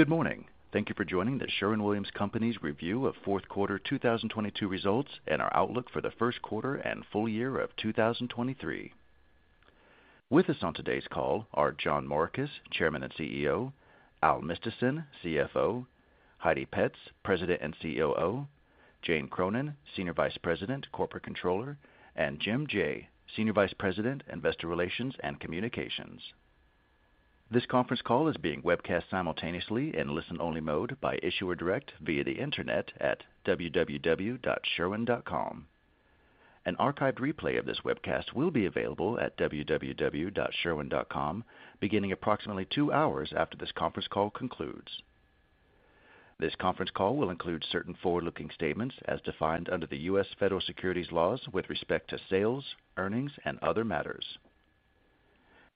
Good morning. Thank you for joining The Sherwin-Williams Company's review of Q4 2022 results and our outlook for the Q1 and full year of 2023. With us on today's call are John Morikis, Chairman and CEO, Alen Mistysyn, CFO, Heidi Petz, President and COO, Jane Cronin, Senior Vice President, Corporate Controller, and Jim Jaye, Senior Vice President, Investor Relations and Communications. This conference call is being webcast simultaneously in listen-only mode by Issuer Direct via the Internet at www.sherwin.com. An archived replay of this webcast will be available at www.sherwin.com beginning approximately two hours after this conference call concludes. This conference call will include certain forward-looking statements as defined under the U.S. Federal Securities laws with respect to sales, earnings, and other matters.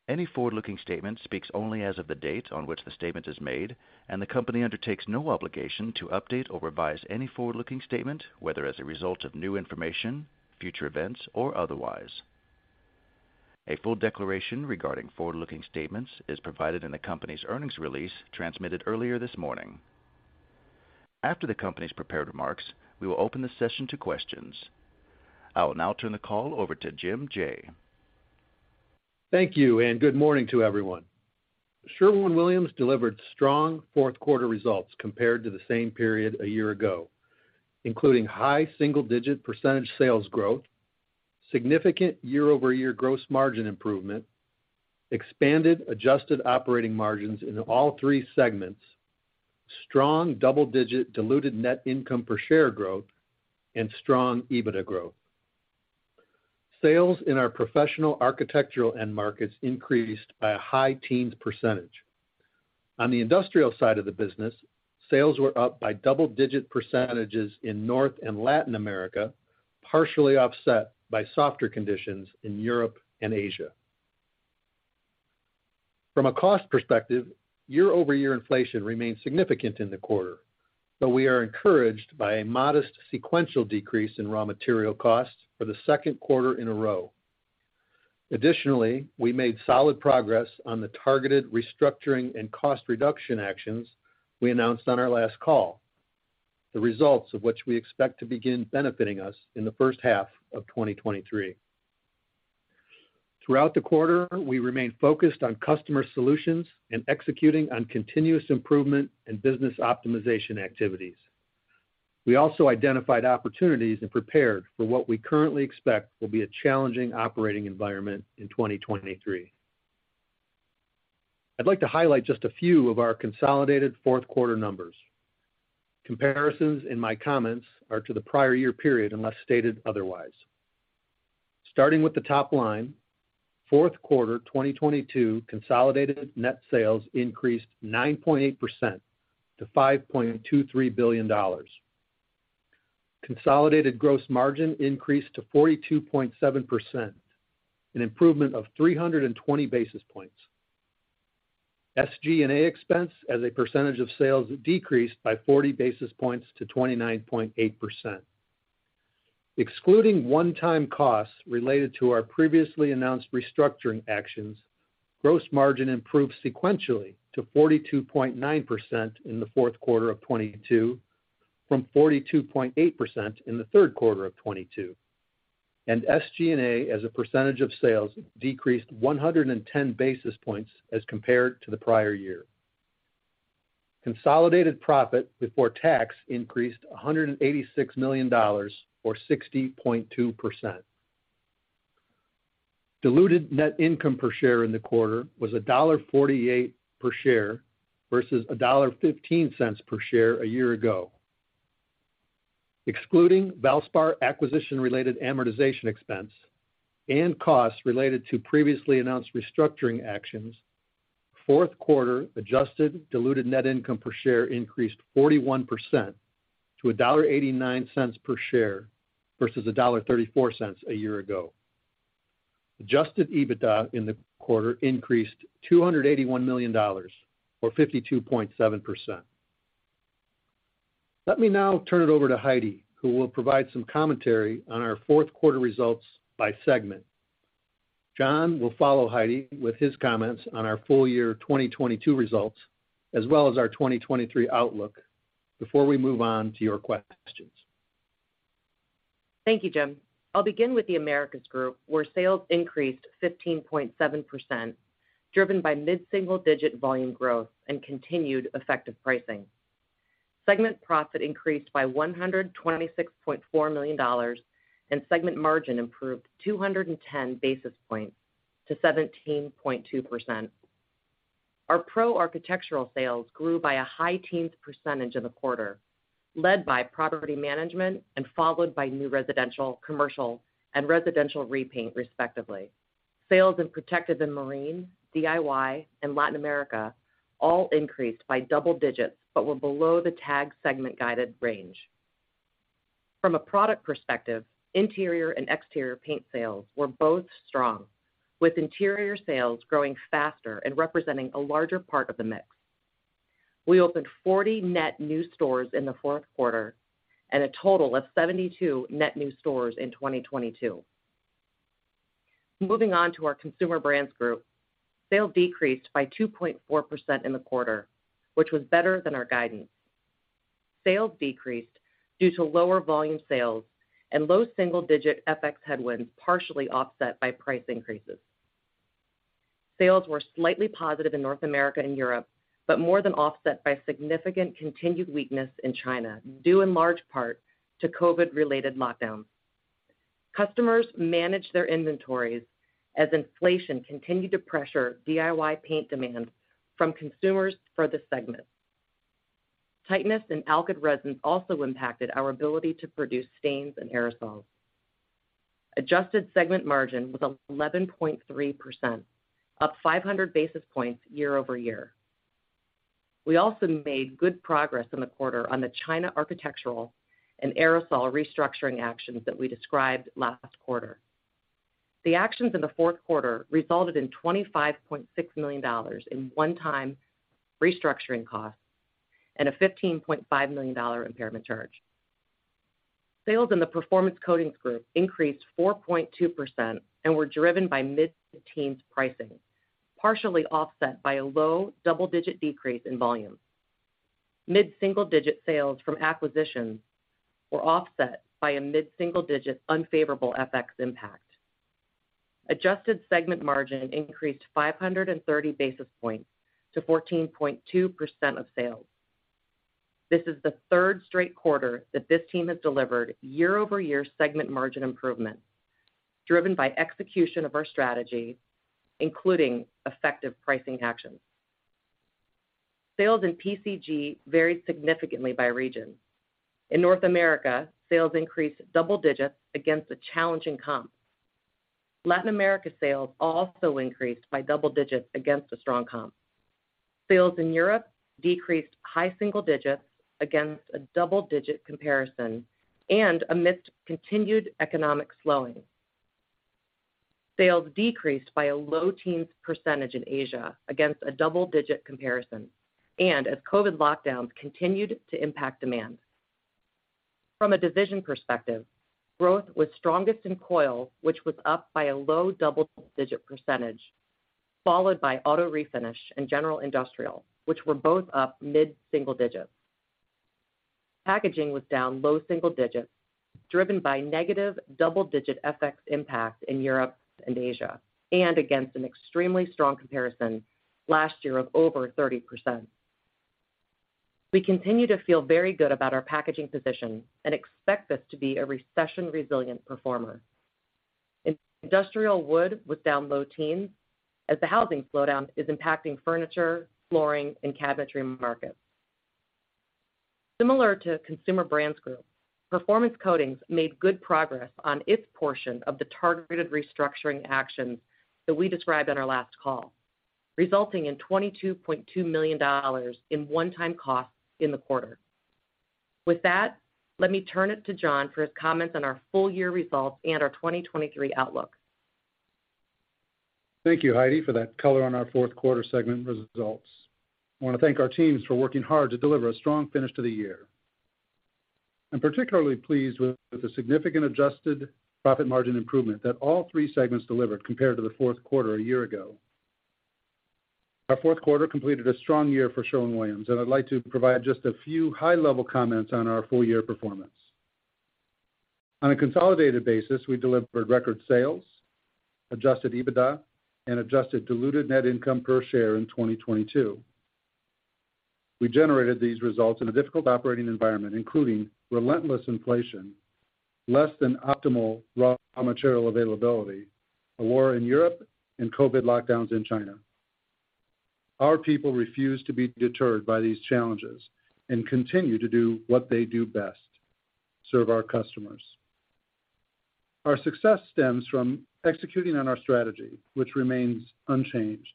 Any forward-looking statement speaks only as of the date on which the statement is made, and the company undertakes no obligation to update or revise any forward-looking statement, whether as a result of new information, future events, or otherwise. A full declaration regarding forward-looking statements is provided in the company's earnings release transmitted earlier this morning. After the company's prepared remarks, we will open the session to questions. I will now turn the call over to Jim Jaye. Thank you, and good morning to everyone. Sherwin-Williams delivered strong Q4 results compared to the same period a year ago, including high single-digit % sales growth, significant year-over-year gross margin improvement, expanded adjusted operating margins into all three segments, strong double-digit diluted net income per share growth, and strong EBITDA growth. Sales in our professional, architectural end markets increased by a high teens %. On the industrial side of the business, sales were up by double-digit % in North and Latin America, partially offset by softer conditions in Europe and Asia. From a cost perspective, year-over-year inflation remains significant in the quarter, but we are encouraged by a modest sequential decrease in raw material costs for the Q2 in a row. Additionally, we made solid progress on the targeted restructuring and cost reduction actions we announced on our last call, the results of which we expect to begin benefiting us in the first half of 2023. Throughout the quarter, we remained focused on customer solutions and executing on continuous improvement in business optimization activities. We also identified opportunities and prepared for what we currently expect will be a challenging operating environment in 2023. I'd like to highlight just a few of our consolidated Q4 numbers. Comparisons in my comments are to the prior year period unless stated otherwise. Starting with the top line, Q4 2022 consolidated net sales increased 9.8% to $5.23 billion. Consolidated gross margin increased to 42.7%, an improvement of 320 basis points. SG&A expense as a percentage of sales decreased by 40 basis points to 29.8%. Excluding one-time costs related to our previously announced restructuring actions, gross margin improved sequentially to 42.9% in Q4 of 2022 from 42.8% in the Q3 of 2022. SG&A, as a percentage of sales, decreased 110 basis points as compared to the prior year. Consolidated profit before tax increased $186 million or 60.2%. Diluted net income per share in the quarter was $1.48 per share versus $1.15 per share a year ago. Excluding Valspar acquisition-related amortization expense and costs related to previously announced restructuring actions, Q4 adjusted diluted net income per share increased 41% to $1.89 per share versus $1.34 a year ago. Adjusted EBITDA in the quarter increased $281 million or 52.7%. Let me now turn it over to Heidi, who will provide some commentary on our Q4 results by segment. John will follow Heidi with his comments on our full year 2022 results, as well as our 2023 outlook before we move on to your questions. Thank you, Jim. I'll begin with The Americas Group, where sales increased 15.7%, driven by mid-single digit volume growth and continued effective pricing. Segment profit increased by $126.4 million, and segment margin improved 210 basis points to 17.2%. Our pro architectural sales grew by a high teens % in the quarter, led by property management and followed by new residential, commercial, and residential repaint, respectively. Sales in protected and marine, DIY, and Latin America all increased by double digits but were below the TAG segment guided range. From a product perspective, interior and exterior paint sales were both strong, with interior sales growing faster and representing a larger part of the mix. We opened 40 net new stores in the Q4 and a total of 72 net new stores in 2022. Moving on to our Consumer Brands Group. Sales decreased by 2.4% in the quarter, which was better than our guidance. Sales decreased due to lower volume sales and low single-digit FX headwinds, partially offset by price increases. Sales were slightly positive in North America and Europe, more than offset by significant continued weakness in China, due in large part to COVID-related lockdowns. Customers managed their inventories as inflation continued to pressure DIY paint demand from consumers for the segment. Tightness in alkyd resins also impacted our ability to produce stains and aerosols. Adjusted segment margin was 11.3%, up 500 basis points year-over-year. We also made good progress in the quarter on the China Architectural and Aerosol restructuring actions that we described last quarter. The actions in the Q4 resulted in $25.6 million in one-time restructuring costs and a $15.5 million impairment charge. Sales in the Performance Coatings Group increased 4.2% and were driven by mid-teens pricing, partially offset by a low double-digit decrease in volume. Mid-single-digit sales from acquisitions were offset by a mid-single-digit unfavorable FX impact. Adjusted segment margin increased 530 basis points to 14.2% of sales. This is the third straight quarter that this team has delivered year-over-year segment margin improvement, driven by execution of our strategy, including effective pricing actions. Sales in PCG varied significantly by region. In North America, sales increased double digits against a challenging comp. Latin America sales also increased by double digits against a strong comp. Sales in Europe decreased high single digits against a double-digit comparison and amidst continued economic slowing. Sales decreased by a low teens percentage in Asia against a double-digit comparison, and as COVID lockdowns continued to impact demand. From a division perspective, growth was strongest in coil, which was up by a low double-digit percentage, followed by auto refinish and general industrial, which were both up mid-single digits. Packaging was down low single digits, driven by negative double-digit FX impact in Europe and Asia and against an extremely strong comparison last year of over 30%. We continue to feel very good about our packaging position and expect this to be a recession-resilient performer. Industrial wood was down low teens as the housing slowdown is impacting furniture, flooring, and cabinetry markets. Similar to Consumer Brands Group, Performance Coatings made good progress on its portion of the targeted restructuring actions that we described on our last call, resulting in $22.2 million in one-time costs in the quarter. With that, let me turn it to John for his comments on our full year results and our 2023 outlook. Thank you, Heidi, for that color on our Q4 segment results. I wanna thank our teams for working hard to deliver a strong finish to the year. I'm particularly pleased with the significant adjusted profit margin improvement that all three segments delivered compared to the Q4 a year ago. Our Q4 completed a strong year for Sherwin-Williams. I'd like to provide just a few high-level comments on our full year performance. On a consolidated basis, we delivered record sales, adjusted EBITDA, and adjusted diluted net income per share in 2022. We generated these results in a difficult operating environment, including relentless inflation, less than optimal raw material availability, a war in Europe, and COVID lockdowns in China. Our people refuse to be deterred by these challenges and continue to do what they do best: serve our customers. Our success stems from executing on our strategy, which remains unchanged.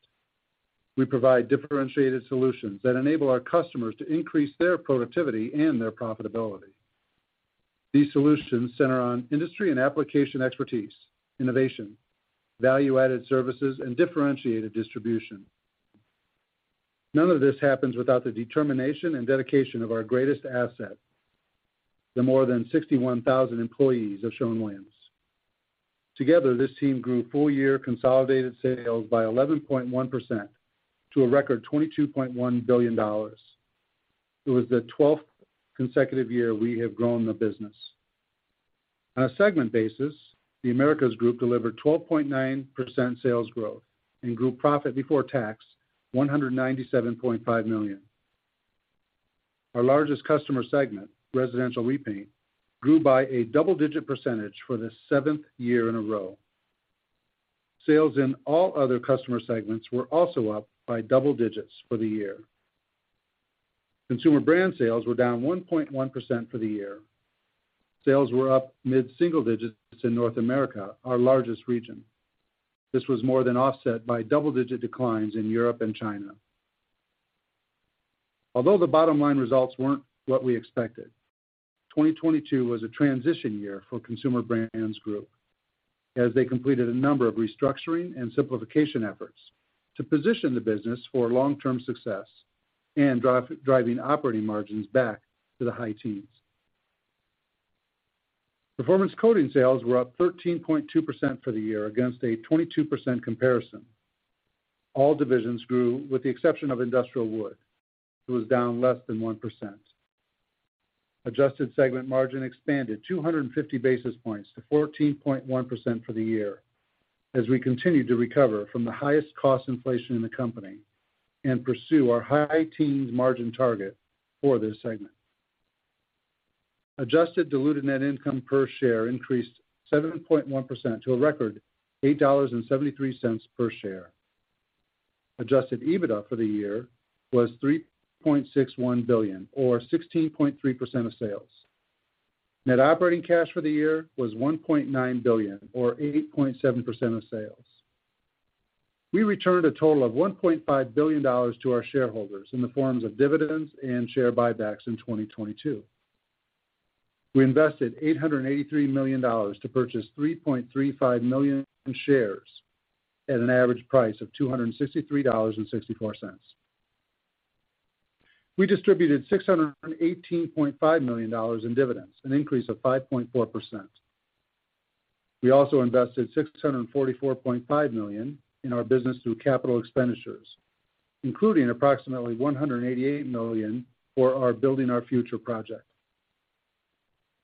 We provide differentiated solutions that enable our customers to increase their productivity and their profitability. These solutions center on industry and application expertise, innovation, value-added services, and differentiated distribution. None of this happens without the determination and dedication of our greatest asset, the more than 61,000 employees of Sherwin-Williams. Together, this team grew full year consolidated sales by 11.1% to a record $22.1 billion. It was the 12th consecutive year we have grown the business. On a segment basis, The Americas Group delivered 12.9% sales growth and grew profit before tax $197.5 million. Our largest customer segment, residential repaint, grew by a double-digit percentage for the 7th year in a row. Sales in all other customer segments were also up by double digits for the year. Consumer Brands sales were down 1.1% for the year. Sales were up mid single digits in North America, our largest region. This was more than offset by double-digit declines in Europe and China. Although the bottom line results weren't what we expected, 2022 was a transition year for Consumer Brands Group, as they completed a number of restructuring and simplification efforts to position the business for long-term success and driving operating margins back to the high teens. Performance Coatings sales were up 13.2% for the year against a 22% comparison. All divisions grew with the exception of industrial wood, it was down less than 1%. Adjusted segment margin expanded 250 basis points to 14.1% for the year as we continue to recover from the highest cost inflation in the company and pursue our high teens margin target for this segment. Adjusted diluted net income per share increased 7.1% to a record $8.73 per share. Adjusted EBITDA for the year was $3.61 billion or 16.3% of sales. Net operating cash for the year was $1.9 billion or 8.7% of sales. We returned a total of $1.5 billion to our shareholders in the forms of dividends and share buybacks in 2022. We invested $883 million to purchase 3.35 million shares at an average price of $263.64. We distributed $618.5 million in dividends, an increase of 5.4%. We also invested $644.5 million in our business through capital expenditures, including approximately $188 million for our Building Our Future project.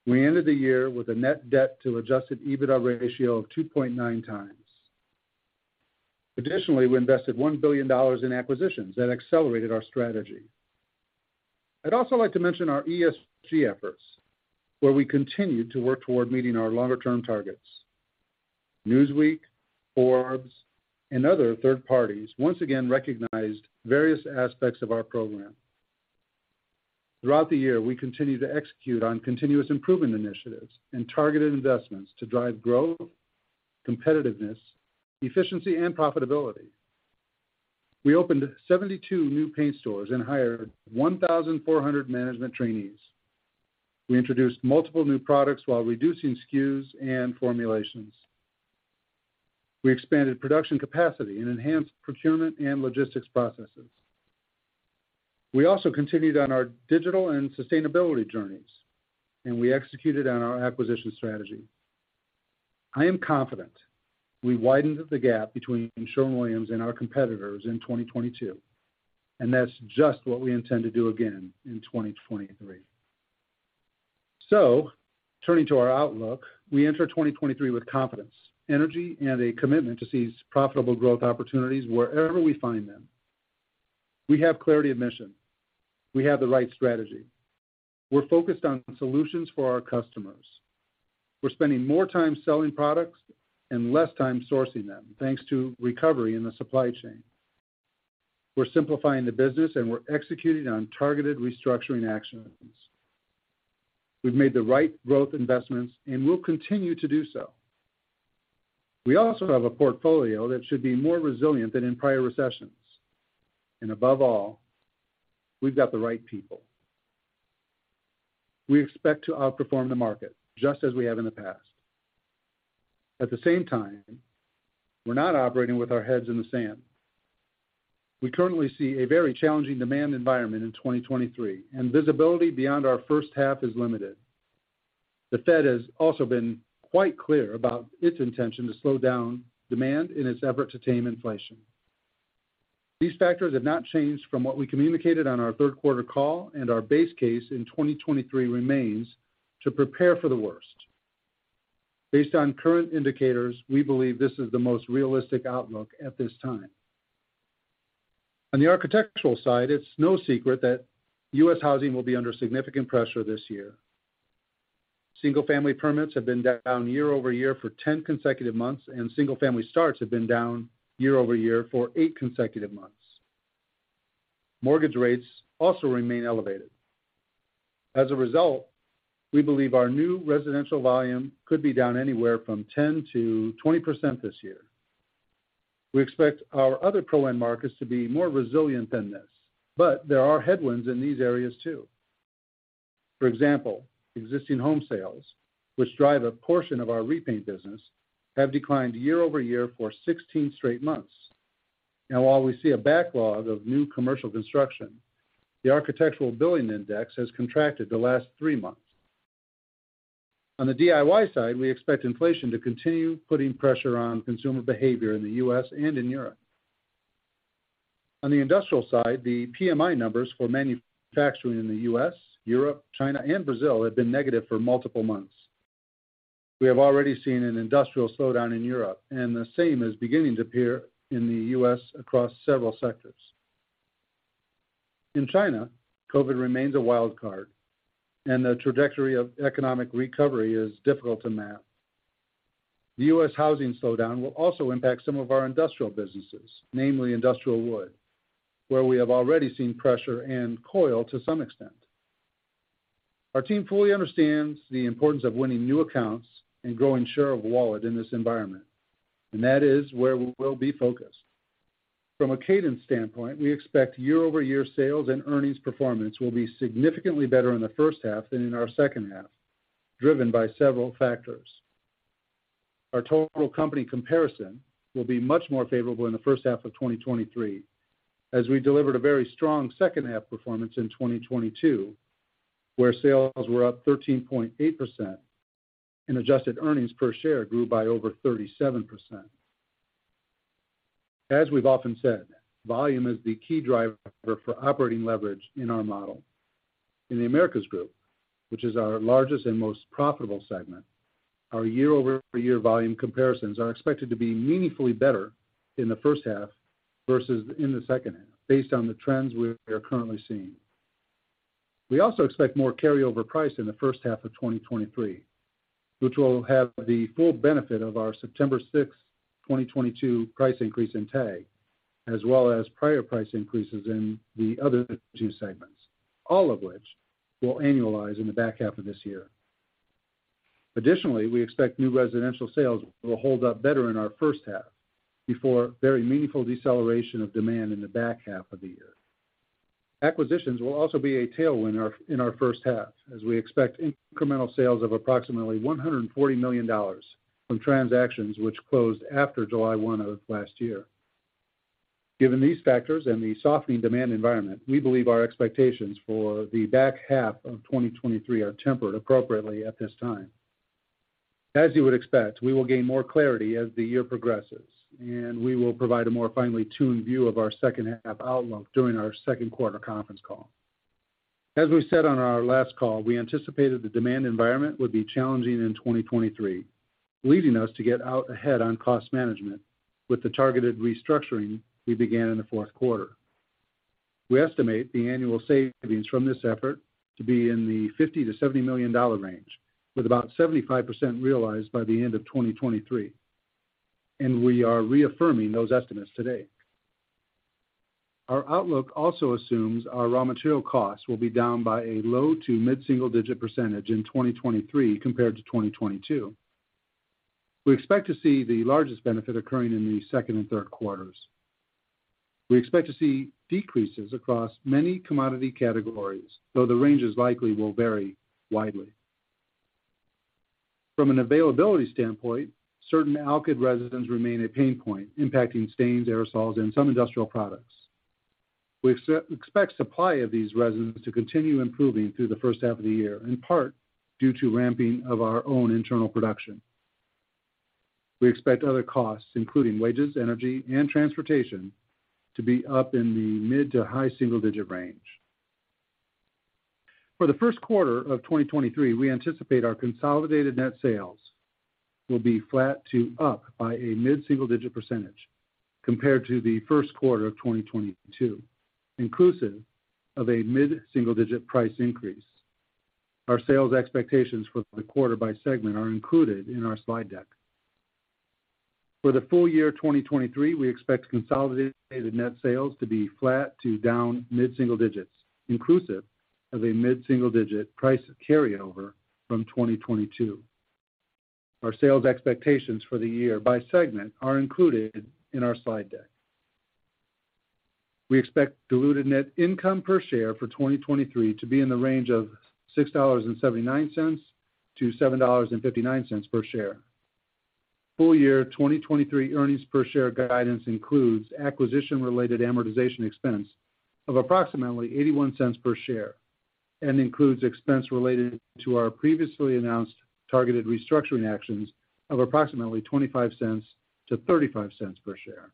We ended the year with a net debt to adjusted EBITDA ratio of 2.9 times. Additionally, we invested $1 billion in acquisitions that accelerated our strategy. I'd also like to mention our ESG efforts, where we continued to work toward meeting our longer-term targets. Newsweek, Forbes, and other third parties once again recognized various aspects of our program. Throughout the year, we continued to execute on continuous improvement initiatives and targeted investments to drive growth, competitiveness, efficiency, and profitability. We opened 72 new paint stores and hired 1,400 management trainees. We introduced multiple new products while reducing SKUs and formulations. We expanded production capacity and enhanced procurement and logistics processes. We also continued on our digital and sustainability journeys. We executed on our acquisition strategy. I am confident we widened the gap between Sherwin-Williams and our competitors in 2022. That's just what we intend to do again in 2023. Turning to our outlook, we enter 2023 with confidence, energy, and a commitment to seize profitable growth opportunities wherever we find them. We have clarity of mission. We have the right strategy. We're focused on solutions for our customers. We're spending more time selling products and less time sourcing them, thanks to recovery in the supply chain. We're simplifying the business, we're executing on targeted restructuring action items. We've made the right growth investments, we'll continue to do so. We also have a portfolio that should be more resilient than in prior recessions. Above all, we've got the right people. We expect to outperform the market, just as we have in the past. At the same time, we're not operating with our heads in the sand. We currently see a very challenging demand environment in 2023, visibility beyond our first half is limited. The Fed has also been quite clear about its intention to slow down demand in its effort to tame inflation. These factors have not changed from what we communicated on our third call. OurQ3 base case in 2023 remains to prepare for the worst. Based on current indicators, we believe this is the most realistic outlook at this time. On the architectural side, it's no secret that U.S. housing will be under significant pressure this year. Single-family permits have been down year-over-year for 10 consecutive months. Single-family starts have been down year-over-year for 8 consecutive months. Mortgage rates also remain elevated. As a result, we believe our new residential volume could be down anywhere from 10%-20% this year. We expect our other pro end markets to be more resilient than this. There are headwinds in these areas too. For example, existing home sales, which drive a portion of our repaint business, have declined year-over-year for 16 straight months. While we see a backlog of new commercial construction, the Architecture Billings Index has contracted the last three months. On the DIY side, we expect inflation to continue putting pressure on consumer behavior in the U.S. and in Europe. On the industrial side, the PMI numbers for manufacturing in the U.S., Europe, China, and Brazil have been negative for multiple months. We have already seen an industrial slowdown in Europe, and the same is beginning to appear in the U.S. across several sectors. In China, COVID remains a wildcard, and the trajectory of economic recovery is difficult to map. The U.S. housing slowdown will also impact some of our industrial businesses, namely industrial wood, where we have already seen pressure and coil to some extent. Our team fully understands the importance of winning new accounts and growing share of wallet in this environment. That is where we will be focused. From a cadence standpoint, we expect year-over-year sales and earnings performance will be significantly better in the first half than in our second half, driven by several factors. Our total company comparison will be much more favorable in the first half of 2023, as we delivered a very strong second half performance in 2022, where sales were up 13.8% and adjusted earnings per share grew by over 37%. As we've often said, volume is the key driver for operating leverage in our model. In The Americas Group, which is our largest and most profitable segment, our year-over-year volume comparisons are expected to be meaningfully better in the first half versus in the second half, based on the trends we are currently seeing. We also expect more carryover price in the first half of 2023, which will have the full benefit of our September sixth, 2022 price increase in TAG, as well as prior price increases in the other two segments, all of which will annualize in the back half of this year. Additionally, we expect new residential sales will hold up better in our first half before very meaningful deceleration of demand in the back half of the year. Acquisitions will also be a tailwind in our first half, as we expect incremental sales of approximately $140 million from transactions which closed after July one of last year. Given these factors and the softening demand environment, we believe our expectations for the back half of 2023 are tempered appropriately at this time. As you would expect, we will gain more clarity as the year progresses, and we will provide a more finely tuned view of our second half outlook during our Q2 conference call. As we said on our last call, we anticipated the demand environment would be challenging in 2023, leading us to get out ahead on cost management with the targeted restructuring we began in the Q4. We estimate the annual savings from this effort to be in the $50 million-$70 million range, with about 75% realized by the end of 2023. We are reaffirming those estimates today. Our outlook also assumes our raw material costs will be down by a low to mid-single digit % in 2023 compared to 2022. We expect to see the largest benefit occurring in the second and. We expect to see decreases across many commodity categories, though the ranges likely will vary widely. From an availability standpoint, certain alkyd resins remain a pain point, impacting stains, aerosols, and some industrial products. We expect supply of these resins to continue improving through the first half of the year, in part due to ramping of our own internal production. We expect other costs, including wages, energy, and transportation, to be up in the mid-to-high single-digit range. For the Q1 of 2023, we anticipate our consolidated net sales will be flat to up by a mid-single-digit percentage compared to the Q1 of 2022, inclusive of a mid-single-digit price increase. Our sales expectations for the quarter by segment are included in our slide deck. For the full year 2023, we expect consolidated net sales to be flat to down mid-single digits, inclusive of a mid-single-digit price carryover from 2022. Our sales expectations for the year by segment are included in our slide deck. We expect diluted net income per share for 2023 to be in the range of $6.79-$7.59 per share. Full year 2023 earnings per share guidance includes acquisition-related amortization expense of approximately $0.81 per share. Includes expense related to our previously announced targeted restructuring actions of approximately $0.25-$0.35 per share.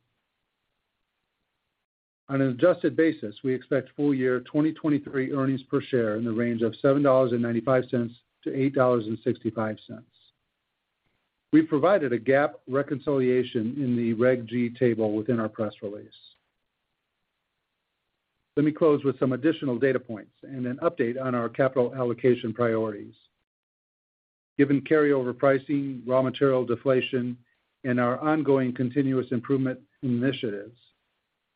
On an adjusted basis, we expect full year 2023 earnings per share in the range of $7.95-$8.65. We've provided a GAAP reconciliation in the Reg G table within our press release. Let me close with some additional data points and an update on our capital allocation priorities. Given carryover pricing, raw material deflation, and our ongoing continuous improvement initiatives,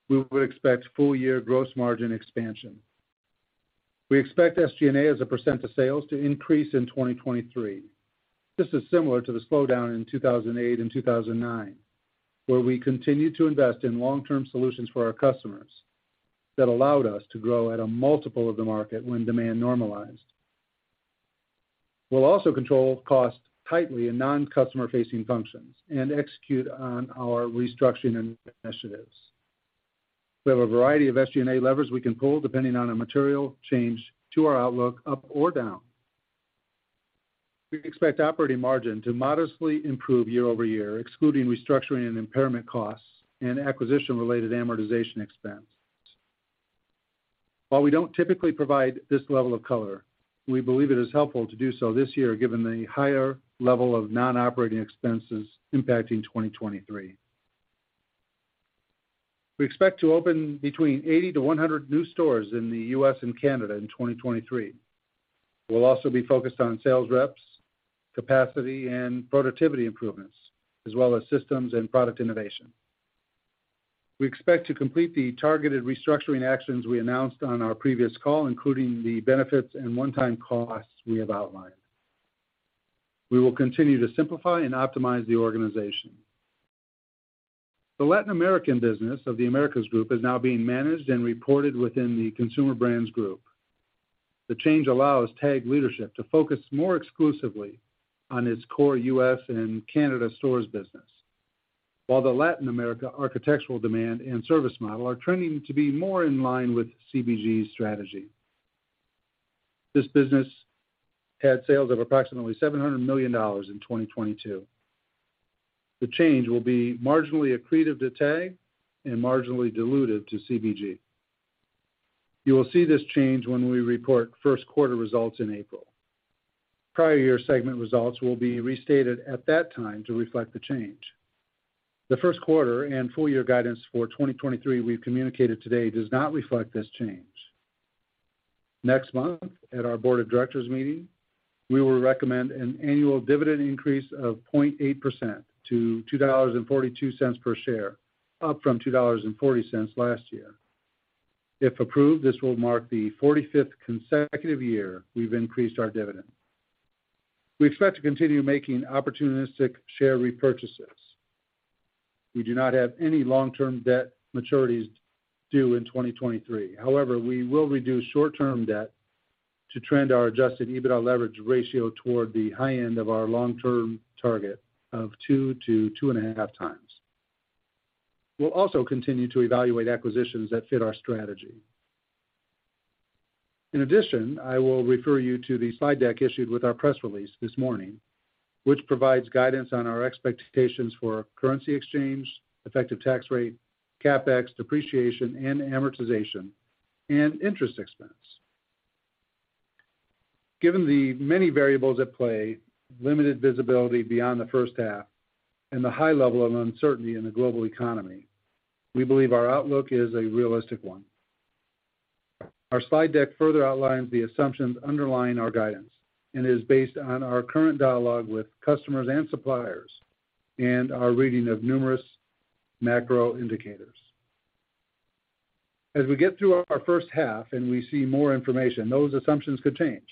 we would expect full-year gross margin expansion. We expect SG&A as a percent of sales to increase in 2023. This is similar to the slowdown in 2008 and 2009, where we continued to invest in long-term solutions for our customers that allowed us to grow at a multiple of the market when demand normalized. We'll also control costs tightly in non-customer facing functions and execute on our restructuring initiatives. We have a variety of SG&A levers we can pull depending on a material change to our outlook, up or down. We expect operating margin to modestly improve year-over-year, excluding restructuring and impairment costs and acquisition-related amortization expense. While we don't typically provide this level of color, we believe it is helpful to do so this year given the higher level of non-operating expenses impacting 2023. We expect to open between 80 to 100 new stores in the U.S. and Canada in 2023. We'll also be focused on sales reps, capacity and productivity improvements, as well as systems and product innovation. We expect to complete the targeted restructuring actions we announced on our previous call, including the benefits and one-time costs we have outlined. We will continue to simplify and optimize the organization. The Latin American business of The Americas Group is now being managed and reported within the Consumer Brands Group. The change allows TAG leadership to focus more exclusively on its core U.S. and Canada stores business. The Latin America architectural demand and service model are trending to be more in line with CBG's strategy. This business had sales of approximately $700 million in 2022. The change will be marginally accretive to TAG and marginally dilutive to CBG. You will see this change when we report Q1 results in April. Prior year segment results will be restated at that time to reflect the change. The Q1 and full year guidance for 2023 we've communicated today does not reflect this change. Next month, at our board of directors meeting, we will recommend an annual dividend increase of 0.8% to $2.42 per share, up from $2.40 last year. If approved, this will mark the 45th consecutive year we've increased our dividend. We expect to continue making opportunistic share repurchases. We do not have any long-term debt maturities due in 2023. However, we will reduce short-term debt to trend our adjusted EBITDA leverage ratio toward the high end of our long-term target of 2 to 2.5x. We'll also continue to evaluate acquisitions that fit our strategy. In addition, I will refer you to the slide deck issued with our press release this morning, which provides guidance on our expectations for currency exchange, effective tax rate, CapEx, depreciation, and amortization, and interest expense. Given the many variables at play, limited visibility beyond the first half, and the high level of uncertainty in the global economy, we believe our outlook is a realistic one. Our slide deck further outlines the assumptions underlying our guidance and is based on our current dialogue with customers and suppliers and our reading of numerous macro indicators. As we get through our first half and we see more information, those assumptions could change.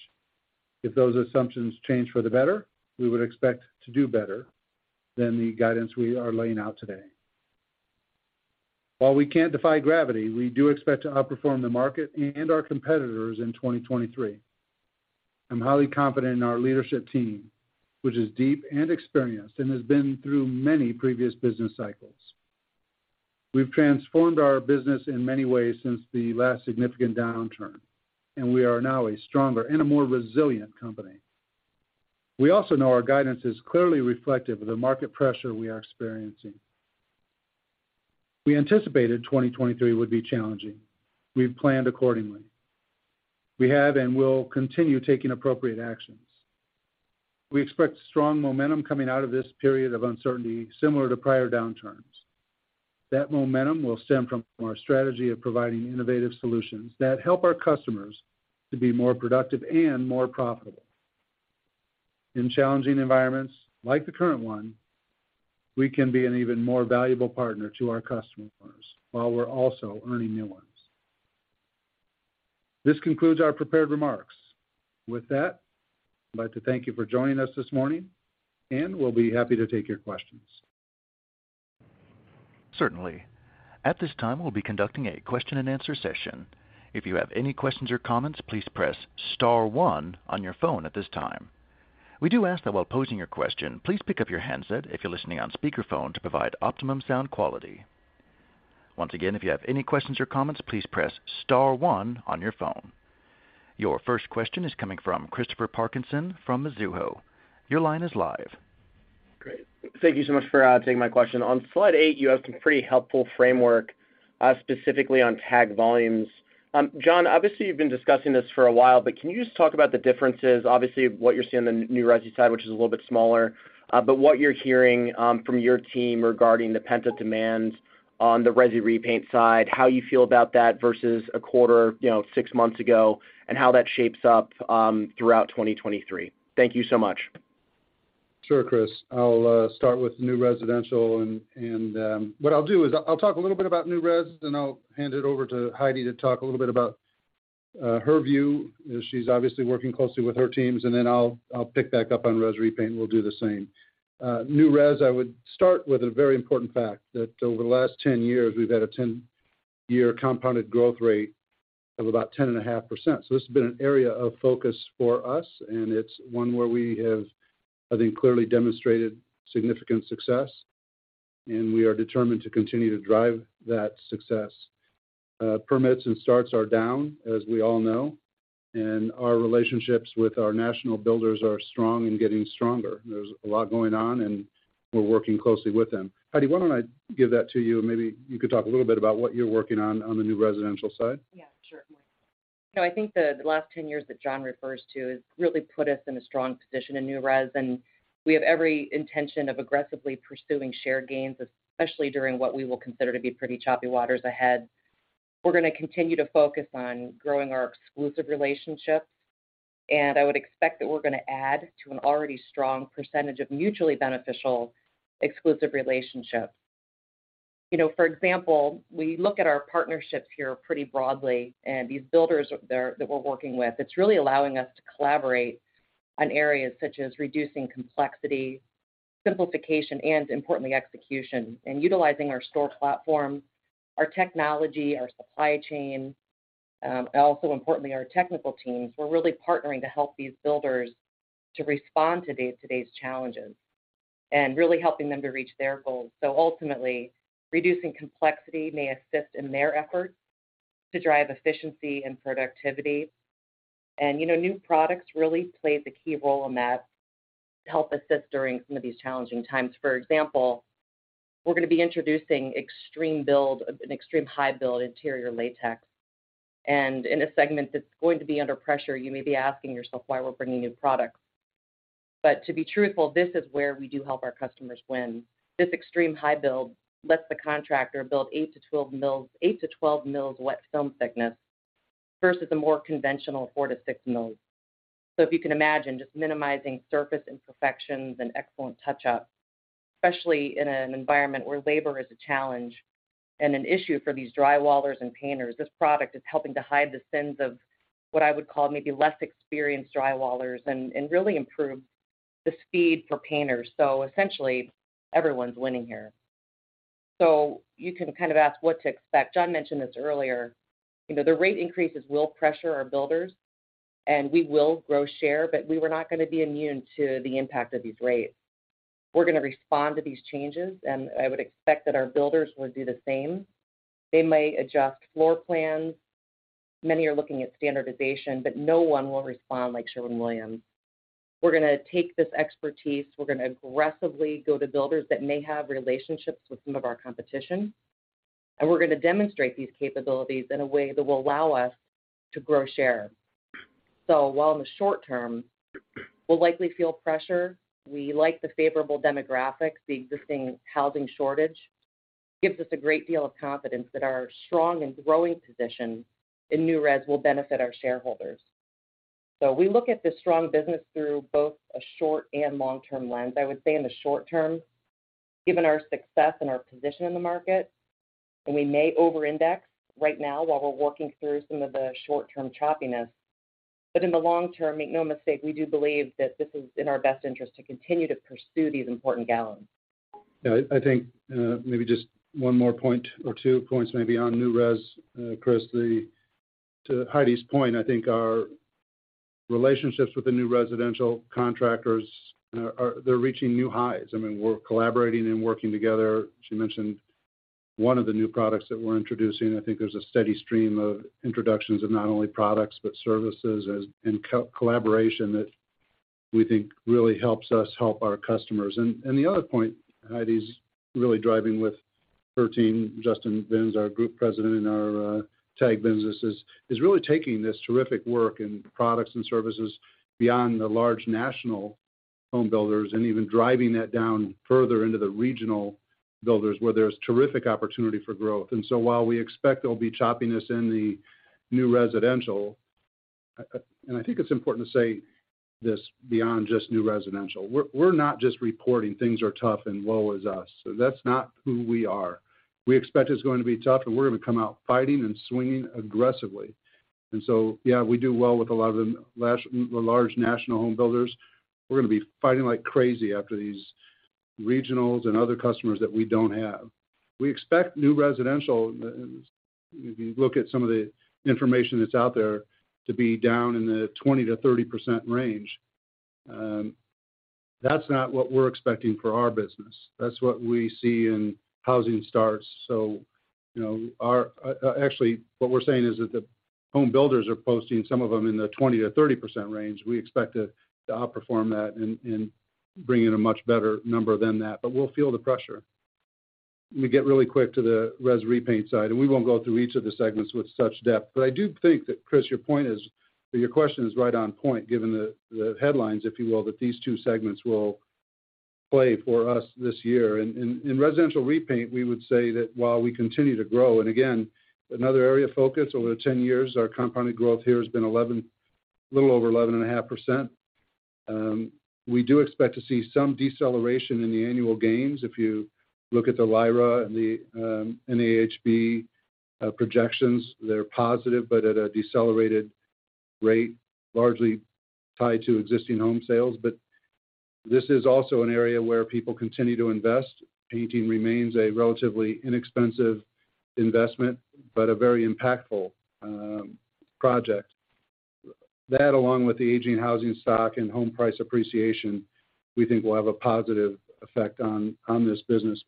If those assumptions change for the better, we would expect to do better than the guidance we are laying out today. While we can't defy gravity, we do expect to outperform the market and our competitors in 2023. I'm highly confident in our leadership team, which is deep and experienced and has been through many previous business cycles. We've transformed our business in many ways since the last significant downturn, and we are now a stronger and a more resilient company. We also know our guidance is clearly reflective of the market pressure we are experiencing. We anticipated 2023 would be challenging. We've planned accordingly. We have and will continue taking appropriate actions. We expect strong momentum coming out of this period of uncertainty similar to prior downturns. That momentum will stem from our strategy of providing innovative solutions that help our customers to be more productive and more profitable. In challenging environments like the current one, we can be an even more valuable partner to our customers, while we're also earning new ones. This concludes our prepared remarks. With that, I'd like to thank you for joining us this morning, and we'll be happy to take your questions. Certainly. At this time, we'll be conducting a question-and-answer session. If you have any questions or comments, please press star one on your phone at this time. We do ask that while posing your question, please pick up your handset if you're listening on speakerphone to provide optimum sound quality. Once again, if you have any questions or comments, please press star one on your phone. Your first question is coming from Christopher Parkinson from Mizuho. Your line is live. Great. Thank you so much for taking my question. On slide 8, you have some pretty helpful framework specifically on TAG volumes. John, obviously you've been discussing this for a while, but can you just talk about the differences, obviously, what you're seeing on the new resi side, which is a little bit smaller, but what you're hearing from your team regarding the pro painter demands on the resi repaint side, how you feel about that versus a quarter, you know, 6 months ago, and how that shapes up throughout 2023. Thank you so much. Sure, Chris. I'll start with new residential and what I'll do is I'll talk a little bit about new res, then I'll hand it over to Heidi to talk a little bit about her view, as she's obviously working closely with her teams, and then I'll pick back up on res repaint and we'll do the same. New res, I would start with a very important fact, that over the last 10 years, we've had a 10-year compounded growth rate of about 10.5%. This has been an area of focus for us, and it's one where we have, I think, clearly demonstrated significant success, and we are determined to continue to drive that success. Permits and starts are down, as we all know, our relationships with our national builders are strong and getting stronger. There's a lot going on and we're working closely with them. Heidi, why don't I give that to you? Maybe you could talk a little bit about what you're working on on the new residential side. Yeah, sure. I think the last 10 years that John refers to has really put us in a strong position in new res, we have every intention of aggressively pursuing shared gains, especially during what we will consider to be pretty choppy waters ahead. We're gonna continue to focus on growing our exclusive relationships, I would expect that we're gonna add to an already strong percentage of mutually beneficial exclusive relationships. You know, for example, we look at our partnerships here pretty broadly these builders there that we're working with, it's really allowing us to collaborate on areas such as reducing complexity, simplification, and importantly, execution. Utilizing our store platform, our technology, our supply chain, and also importantly, our technical teams, we're really partnering to help these builders to respond to today's challenges and really helping them to reach their goals. Ultimately, reducing complexity may assist in their efforts to drive efficiency and productivity. You know, new products really play the key role in that to help assist during some of these challenging times. For example, we're gonna be introducing an Extreme High Build interior latex. In a segment that's going to be under pressure, you may be asking yourself why we're bringing new products. To be truthful, this is where we do help our customers win. This Extreme High Build lets the contractor build 8 to 12 mils, 8 to 12 mils wet film thickness versus the more conventional 4 to 6 mils. If you can imagine, just minimizing surface imperfections and excellent touch-ups, especially in an environment where labor is a challenge and an issue for these drywallers and painters. This product is helping to hide the sins of what I would call maybe less experienced drywallers and really improve the speed for painters. Essentially, everyone's winning here. You can kind of ask what to expect. John mentioned this earlier. You know, the rate increases will pressure our builders, and we will grow share, but we were not gonna be immune to the impact of these rates. We're gonna respond to these changes, and I would expect that our builders will do the same. They may adjust floor plans. Many are looking at standardization, but no one will respond like Sherwin-Williams. We're gonna take this expertise, we're gonna aggressively go to builders that may have relationships with some of our competition, and we're gonna demonstrate these capabilities in a way that will allow us to grow share. While in the short term, we'll likely feel pressure, we like the favorable demographics. The existing housing shortage gives us a great deal of confidence that our strong and growing position in new res will benefit our shareholders. We look at this strong business through both a short and long-term lens. I would say in the short term, given our success and our position in the market, and we may over-index right now while we're working through some of the short-term choppiness. In the long term, make no mistake, we do believe that this is in our best interest to continue to pursue these important gallons. I think maybe just one more point or two points maybe on new res, Chris. To Heidi's point, I think our relationships with the new residential contractors are reaching new highs. I mean, we're collaborating and working together. She mentioned one of the new products that we're introducing. I think there's a steady stream of introductions of not only products, but services and co-collaboration that we think really helps us help our customers. The other point Heidi's really driving with her team, Justin Binns, our Group President in our TAG businesses, is really taking this terrific work and products and services beyond the large national home builders and even driving that down further into the regional builders where there's terrific opportunity for growth. While we expect there'll be choppiness in the new residential, and I think it's important to say this beyond just new residential, we're not just reporting things are tough and woe is us. That's not who we are. We expect it's going to be tough, and we're gonna come out fighting and swinging aggressively. Yeah, we do well with a lot of the large national home builders. We're gonna be fighting like crazy after these regionals and other customers that we don't have. We expect new residential, if you look at some of the information that's out there, to be down in the 20%-30% range. That's not what we're expecting for our business. That's what we see in housing starts. You know, our... Actually, what we're saying is that the home builders are posting some of them in the 20%-30% range. We expect to outperform that and bring in a much better number than that, but we'll feel the pressure. Let me get really quick to the res repaint side, and we won't go through each of the segments with such depth. I do think that, Chris, your point is or your question is right on point, given the headlines, if you will, that these two segments will play for us this year. In residential repaint, we would say that while we continue to grow, and again, another area of focus over the 10 years, our compounded growth here has been 11.5%. We do expect to see some deceleration in the annual gains. You look at the LIRA and the NAHB projections, they're positive, but at a decelerated rate, largely tied to existing home sales. This is also an area where people continue to invest. Painting remains a relatively inexpensive investment, but a very impactful project. That, along with the aging housing stock and home price appreciation, we think will have a positive effect on this business.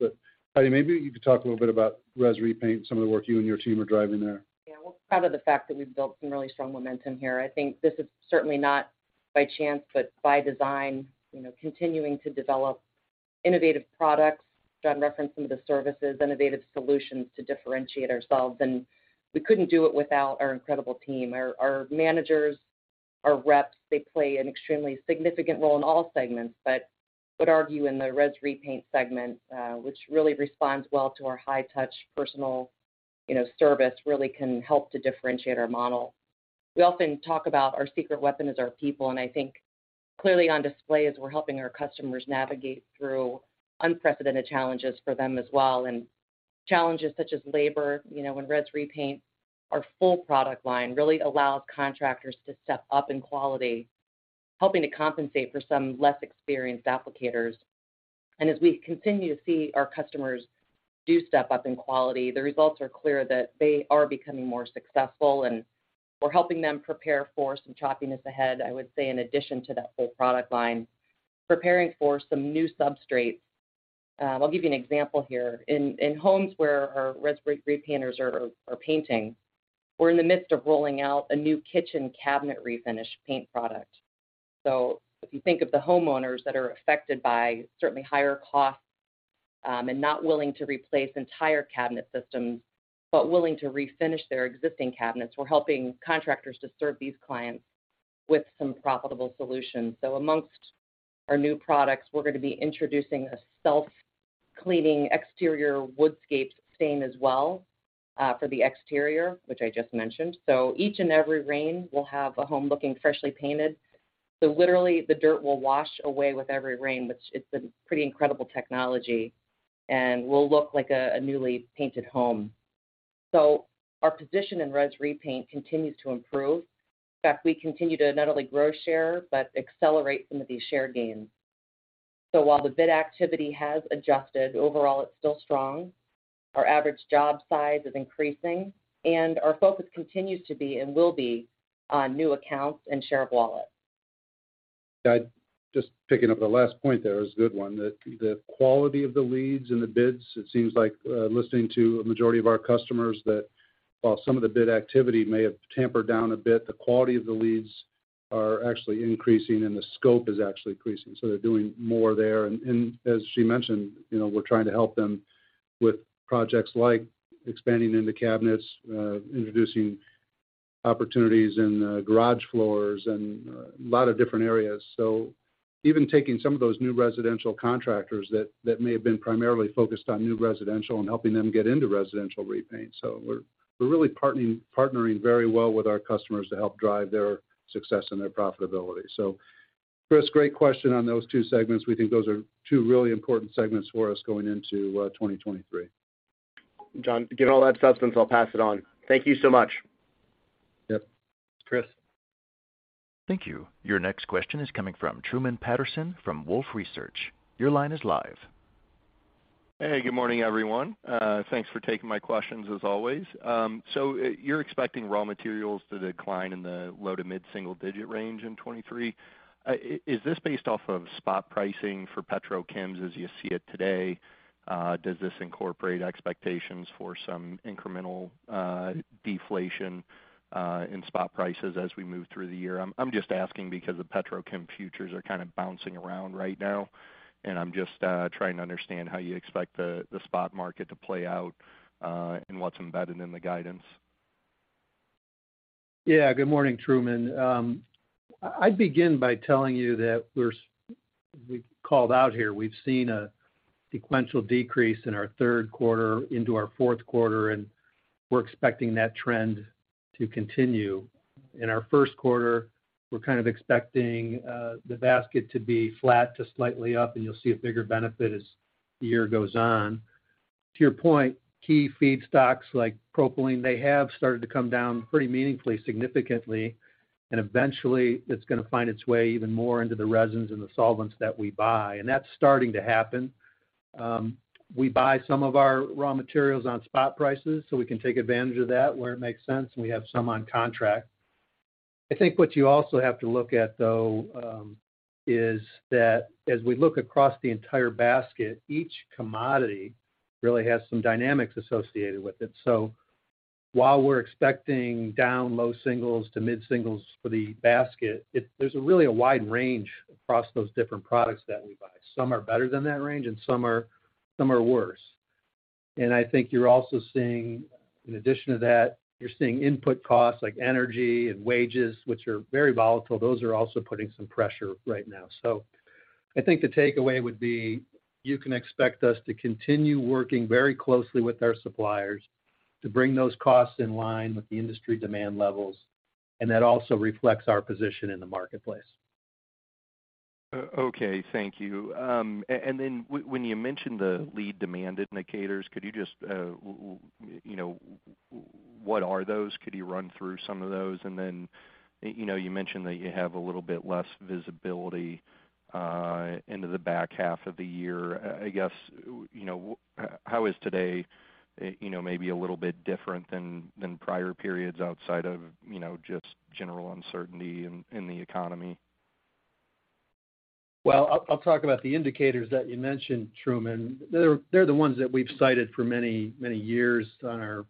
Heidi, maybe you could talk a little bit about res repaint, some of the work you and your team are driving there. Yeah. Well, part of the fact that we've built some really strong momentum here, I think this is certainly not by chance, but by design, you know, continuing to develop innovative products. John referenced some of the services, innovative solutions to differentiate ourselves, and we couldn't do it without our incredible team. Our managers, our reps, they play an extremely significant role in all segments, but I would argue in the res repaint segment, which really responds well to our high-touch personal, you know, service, really can help to differentiate our model. We often talk about our secret weapon is our people, I think clearly on display as we're helping our customers navigate through unprecedented challenges for them as well. Challenges such as labor, you know, when Res Repaint our full product line really allows contractors to step up in quality, helping to compensate for some less experienced applicators. As we continue to see our customers do step up in quality, the results are clear that they are becoming more successful, and we're helping them prepare for some choppiness ahead, I would say, in addition to that full product line, preparing for some new substrates. I'll give you an example here. In homes where our Res Repaint painters are painting, we're in the midst of rolling out a new kitchen cabinet refinish paint product. If you think of the homeowners that are affected by certainly higher costs and not willing to replace entire cabinet systems, but willing to refinish their existing cabinets, we're helping contractors to serve these clients with some profitable solutions. Amongst our new products, we're gonna be introducing a self-cleaning exterior WoodScapes stain as well for the exterior, which I just mentioned. Each and every rain will have a home looking freshly painted. Literally the dirt will wash away with every rain, which it's a pretty incredible technology, and will look like a newly painted home. Our position in Res Repaint continues to improve. In fact, we continue to not only grow share, but accelerate some of these share gains. While the bid activity has adjusted, overall it's still strong. Our average job size is increasing, and our focus continues to be and will be on new accounts and share of wallet. Just picking up the last point there is a good one, that the quality of the leads and the bids, it seems like, listening to a majority of our customers, that while some of the bid activity may have tampered down a bit, the quality of the leads are actually increasing and the scope is actually increasing, so they're doing more there. As she mentioned, you know, we're trying to help them with projects like expanding into cabinets, introducing opportunities in garage floors and a lot of different areas. Even taking some of those new residential contractors that may have been primarily focused on new residential and helping them get into residential repaint. We're, we're really partnering very well with our customers to help drive their success and their profitability. Chris, great question on those two segments. We think those are two really important segments for us going into, 2023. John, given all that substance, I'll pass it on. Thank you so much. Yep. Chris. Thank you. Your next question is coming from Truman Patterson from Wolfe Research. Your line is live. Hey, good morning, everyone. Thanks for taking my questions as always. You're expecting raw materials to decline in the low to mid-single digit % range in 2023. Is this based off of spot pricing for petrochems as you see it today? Does this incorporate expectations for some incremental deflation in spot prices as we move through the year? I'm just asking because the petrochem futures are kind of bouncing around right now, and I'm just trying to understand how you expect the spot market to play out and what's embedded in the guidance. Good morning, Truman. I'd begin by telling you that we've called out here. We've seen a sequential decrease in our Q3 into ourQ4, we're expecting that trend to continue. In our Q1, we're kind of expecting the basket to be flat to slightly up, you'll see a bigger benefit as the year goes on. To your point, key feedstocks like propylene, they have started to come down pretty meaningfully, significantly, eventually it's gonna find its way even more into the resins and the solvents that we buy. That's starting to happen. We buy some of our raw materials on spot prices, we can take advantage of that where it makes sense, we have some on contract. I think what you also have to look at though, is that as we look across the entire basket, each commodity really has some dynamics associated with it. While we're expecting down low singles to mid-singles for the basket, there's really a wide range across those different products that we buy. Some are better than that range and some are worse. I think you're also seeing, in addition to that, you're seeing input costs like energy and wages, which are very volatile. Those are also putting some pressure right now. I think the takeaway would be you can expect us to continue working very closely with our suppliers to bring those costs in line with the industry demand levels, and that also reflects our position in the marketplace. Okay. Thank you. When you mentioned the lead demand indicators, could you just, you know, what are those? Could you run through some of those? You know, you mentioned that you have a little bit less visibility into the back half of the year. I guess, you know, how is today, you know, maybe a little bit different than prior periods outside of, you know, just general uncertainty in the economy? Well, I'll talk about the indicators that you mentioned, Truman. They're the ones that we've cited for many years on our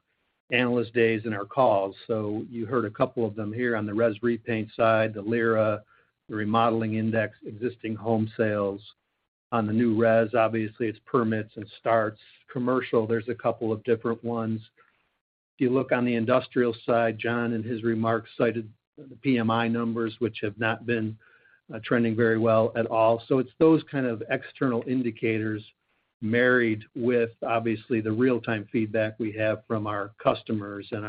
analyst days and our calls. You heard a couple of them here on the Res Repaint side, the LIRA, the remodeling index, existing home sales. On the new res, obviously, it's permits and starts. Commercial, there's a couple of different ones. If you look on the industrial side, John in his remarks cited the PMI numbers, which have not been trending very well at all. It's those kind of external indicators married with obviously the real-time feedback we have from our customers and.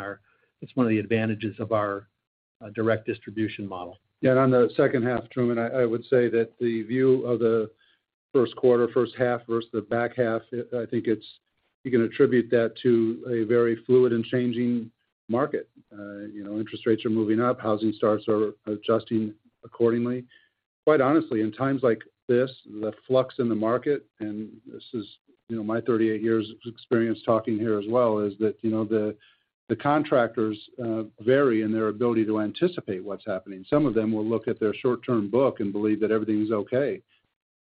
It's one of the advantages of our A direct distribution model. Yeah, on the second half, Truman, I would say that the view of the Q1, first half versus the back half, you can attribute that to a very fluid and changing market. You know, interest rates are moving up, housing starts are adjusting accordingly. Quite honestly, in times like this, the flux in the market, and this is, you know, my 38 years of experience talking here as well, is that, you know, the contractors vary in their ability to anticipate what's happening. Some of them will look at their short-term book and believe that everything is okay.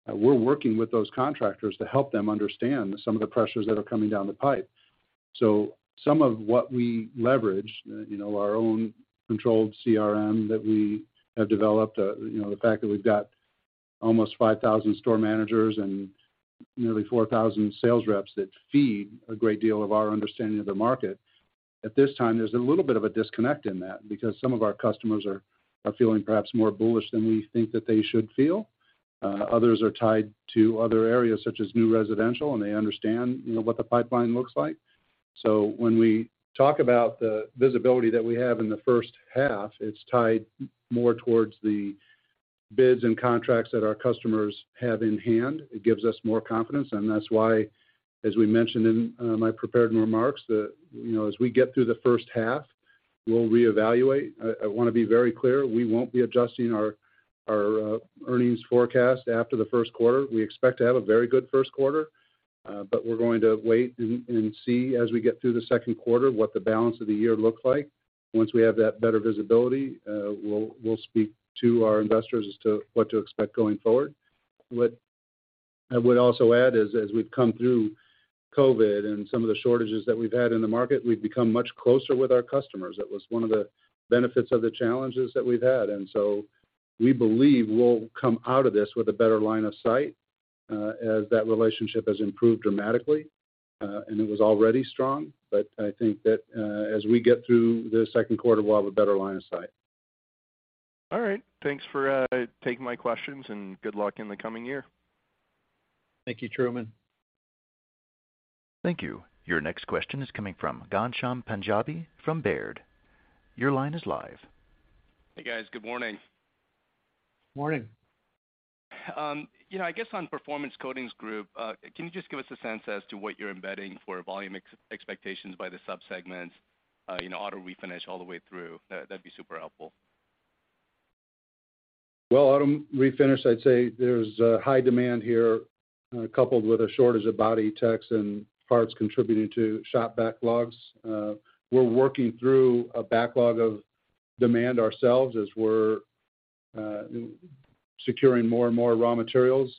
We're working with those contractors to help them understand some of the pressures that are coming down the pipe. Some of what we leverage, you know, our own controlled CRM that we have developed, you know, the fact that we've got almost 5,000 store managers and nearly 4,000 sales reps that feed a great deal of our understanding of the market. At this time, there's a little bit of a disconnect in that because some of our customers are feeling perhaps more bullish than we think that they should feel. Others are tied to other areas such as new residential, and they understand, you know, what the pipeline looks like. When we talk about the visibility that we have in the first half, it's tied more towards the bids and contracts that our customers have in hand. It gives us more confidence, and that's why, as we mentioned in my prepared remarks, that, you know, as we get through the first half, we'll reevaluate. I wanna be very clear, we won't be adjusting our earnings forecast after the Q1. We expect to have a very good Q1, but we're going to wait and see as we get through the Q2 what the balance of the year looks like. Once we have that better visibility, we'll speak to our investors as to what to expect going forward. What I would also add is as we've come through COVID and some of the shortages that we've had in the market, we've become much closer with our customers. That was one of the benefits of the challenges that we've had. We believe we'll come out of this with a better line of sight, as that relationship has improved dramatically, and it was already strong. I think that, as we get through the Q2, we'll have a better line of sight. All right. Thanks for taking my questions, and good luck in the coming year. Thank you, Truman. Thank you. Your next question is coming from Ghansham Panjabi from Baird. Your line is live. Hey, guys. Good morning. Morning. You know, I guess on Performance Coatings Group, can you just give us a sense as to what you're embedding for volume expectations by the subsegments, you know, auto refinish all the way through? That'd be super helpful. Auto refinish, I'd say there's high demand here, coupled with a shortage of body techs and parts contributing to shop backlogs. We're working through a backlog of demand ourselves as we're securing more and more raw materials.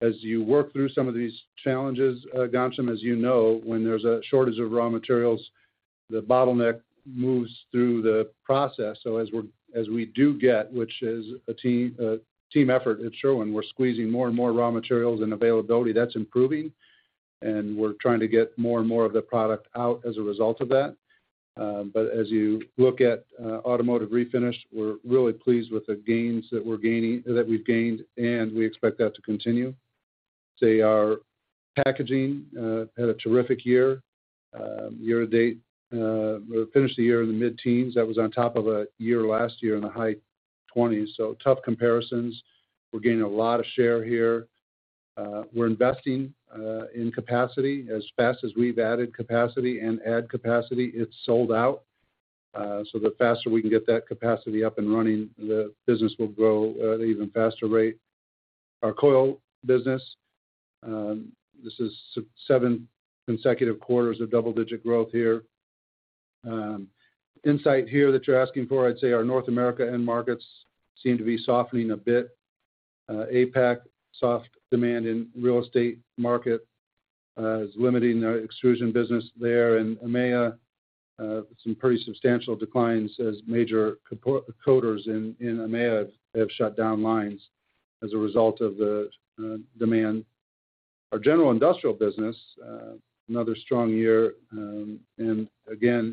As you work through some of these challenges, Ghansham Panjabi, as you know, when there's a shortage of raw materials, the bottleneck moves through the process. As we do get, which is a team effort at Sherwin, we're squeezing more and more raw materials and availability. That's improving, and we're trying to get more and more of the product out as a result of that. As you look at automotive refinish, we're really pleased with the gains that we've gained, and we expect that to continue. I'd say our packaging had a terrific year. Year to date, we'll finish the year in the mid-teens. That was on top of a year last year in the high 20s. Tough comparisons. We're gaining a lot of share here. We're investing in capacity. As fast as we've added capacity and add capacity, it's sold out. The faster we can get that capacity up and running, the business will grow at an even faster rate. Our coil business, this is 7 consecutive quarters of double-digit growth here. Insight here that you're asking for, I'd say our North America end markets seem to be softening a bit. APAC, soft demand in real estate market, is limiting our extrusion business there. In EMEA, some pretty substantial declines as major co-coaters in EMEA have shut down lines as a result of the demand. Our general industrial business, another strong year.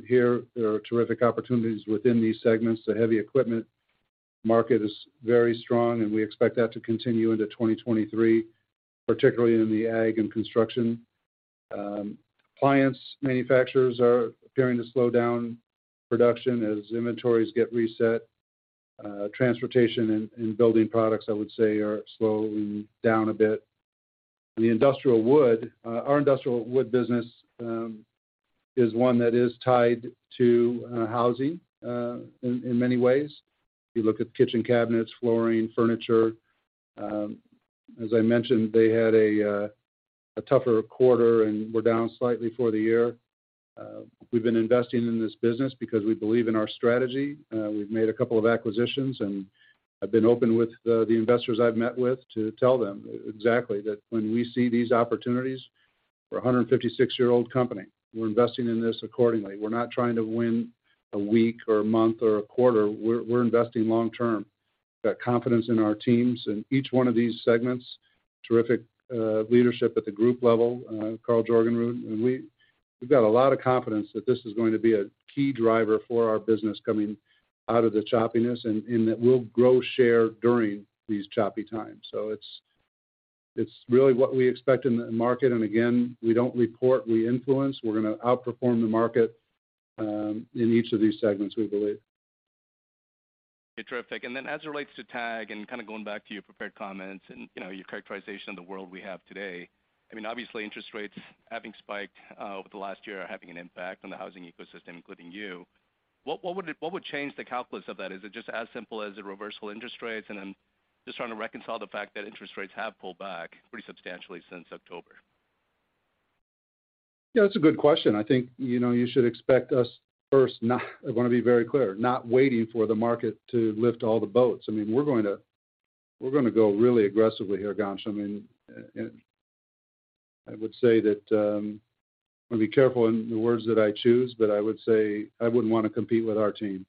Here there are terrific opportunities within these segments. The heavy equipment market is very strong, and we expect that to continue into 2023, particularly in the ag and construction. Clients manufacturers are appearing to slow down production as inventories get reset. Transportation and building products, I would say, are slowing down a bit. The industrial wood, our industrial wood business is one that is tied to housing in many ways. If you look at kitchen cabinets, flooring, furniture, as I mentioned, they had a tougher quarter and were down slightly for the year. We've been investing in this business because we believe in our strategy. We've made a couple of acquisitions. I've been open with the investors I've met with to tell them exactly that when we see these opportunities, we're a 156-year-old company. We're investing in this accordingly. We're not trying to win a week or a month or a quarter. We're investing long term. We've got confidence in our teams in each one of these segments, terrific leadership at the group level, Karl J. Jorgenrud. We've got a lot of confidence that this is going to be a key driver for our business coming out of the choppiness and that we'll grow share during these choppy times. It's really what we expect in the market. Again, we don't report, we influence. We're gonna outperform the market in each of these segments, we believe. Terrific. Then as it relates to TAG and kind of going back to your prepared comments and, you know, your characterization of the world we have today, I mean, obviously interest rates having spiked over the last year are having an impact on the housing ecosystem, including you. What would change the calculus of that? Is it just as simple as a reversal interest rates? I'm just trying to reconcile the fact that interest rates have pulled back pretty substantially since October. It's a good question. I think, you know, you should expect us first, not, I wanna be very clear, not waiting for the market to lift all the boats. I mean, we're gonna go really aggressively here, Gans. I mean, I would say that, I wanna be careful in the words that I choose, but I would say I wouldn't wanna compete with our team.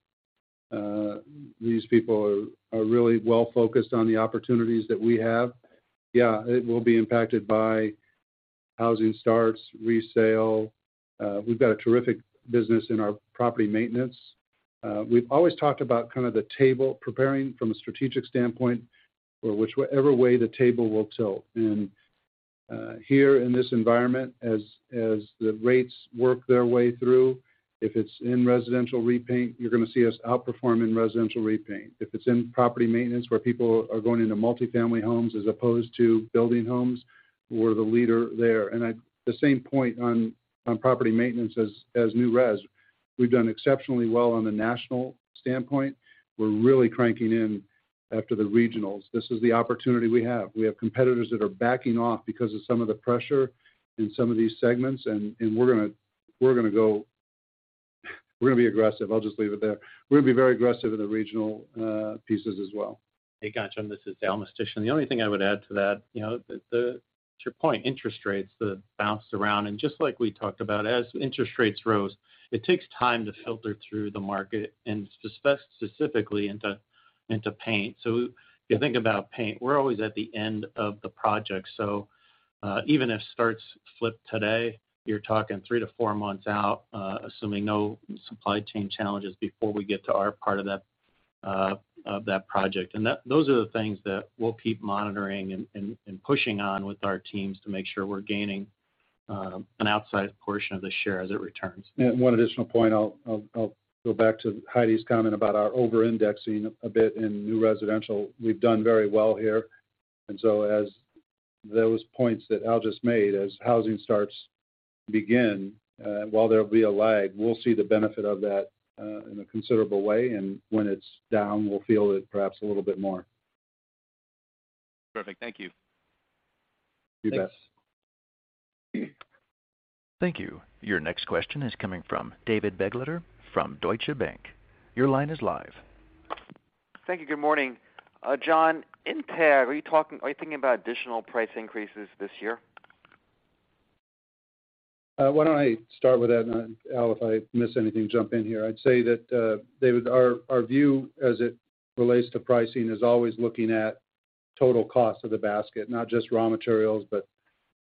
These people are really well focused on the opportunities that we have. It will be impacted by housing starts, resale. We've got a terrific business in our property maintenance. We've always talked about kind of the table preparing from a strategic standpoint for whichever way the table will tilt. Here in this environment, as the rates work their way through, if it's in residential repaint, you're gonna see us outperform in residential repaint. If it's in property maintenance where people are going into multifamily homes as opposed to building homes, we're the leader there. The same point on property maintenance as new res, we've done exceptionally well on the national standpoint. We're really cranking in after the regionals. This is the opportunity we have. We have competitors that are backing off because of some of the pressure in some of these segments, and we're gonna be aggressive. I'll just leave it there. We're gonna be very aggressive in the regional pieces as well. Hey, Gans, this is Al Mistysyn. The only thing I would add to that, you know, to your point, interest rates that bounced around, just like we talked about, as interest rates rose, it takes time to filter through the market specifically into paint. If you think about paint, we're always at the end of the project. Even if starts flip today, you're talking 3-4 months out, assuming no supply chain challenges before we get to our part of that project. Those are the things that we'll keep monitoring and pushing on with our teams to make sure we're gaining an outsized portion of the share as it returns. One additional point, I'll go back to Heidi's comment about our over-indexing a bit in new residential. We've done very well here. As those points that Al just made, as housing starts begin, while there'll be a lag, we'll see the benefit of that, in a considerable way. When it's down, we'll feel it perhaps a little bit more. Perfect. Thank you. You bet. Thanks. Thank you. Your next question is coming from David Begleiter from Deutsche Bank. Your line is live. Thank you. Good morning. John, in TAG, are you thinking about additional price increases this year? Why don't I start with that, Al, if I miss anything, jump in here. I'd say that, David, our view as it relates to pricing is always looking at total cost of the basket, not just raw materials, but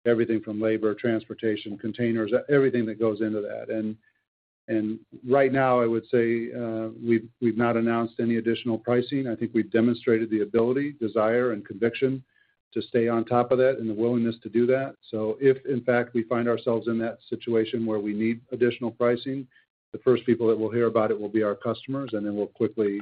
everything from labor, transportation, containers, everything that goes into that. Right now, I would say, we've not announced any additional pricing. I think we've demonstrated the ability, desire, and conviction to stay on top of that and the willingness to do that. If in fact we find ourselves in that situation where we need additional pricing, the first people that will hear about it will be our customers, and then we'll quickly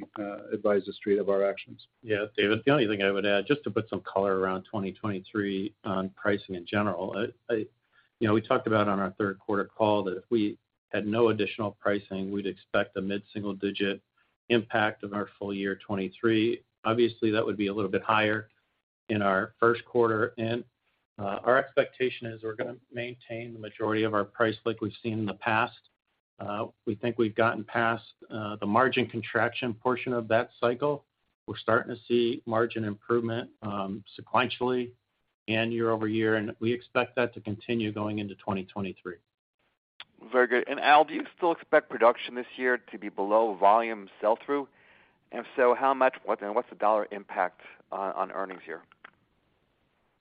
advise the street of our actions. Yeah, David, the only thing I would add, just to put some color around 2023 on pricing in general. You know, we talked about on our call that if we had no additional pricing, we'd expect a mid-single digit impact of our full year 2023. Obviously, that would be a little bit higher in our Q1. Our expectation is we're gonna maintain the majority of our price like we've seen in the past. We think we've gotten past the margin contraction portion of that cycle. We're starting to see margin improvement sequentially and year-over-year, and we expect that to continue going into 2023. Very good. Al, do you still expect production this year to be below volume sell-through? If so, what's the dollar impact on earnings here?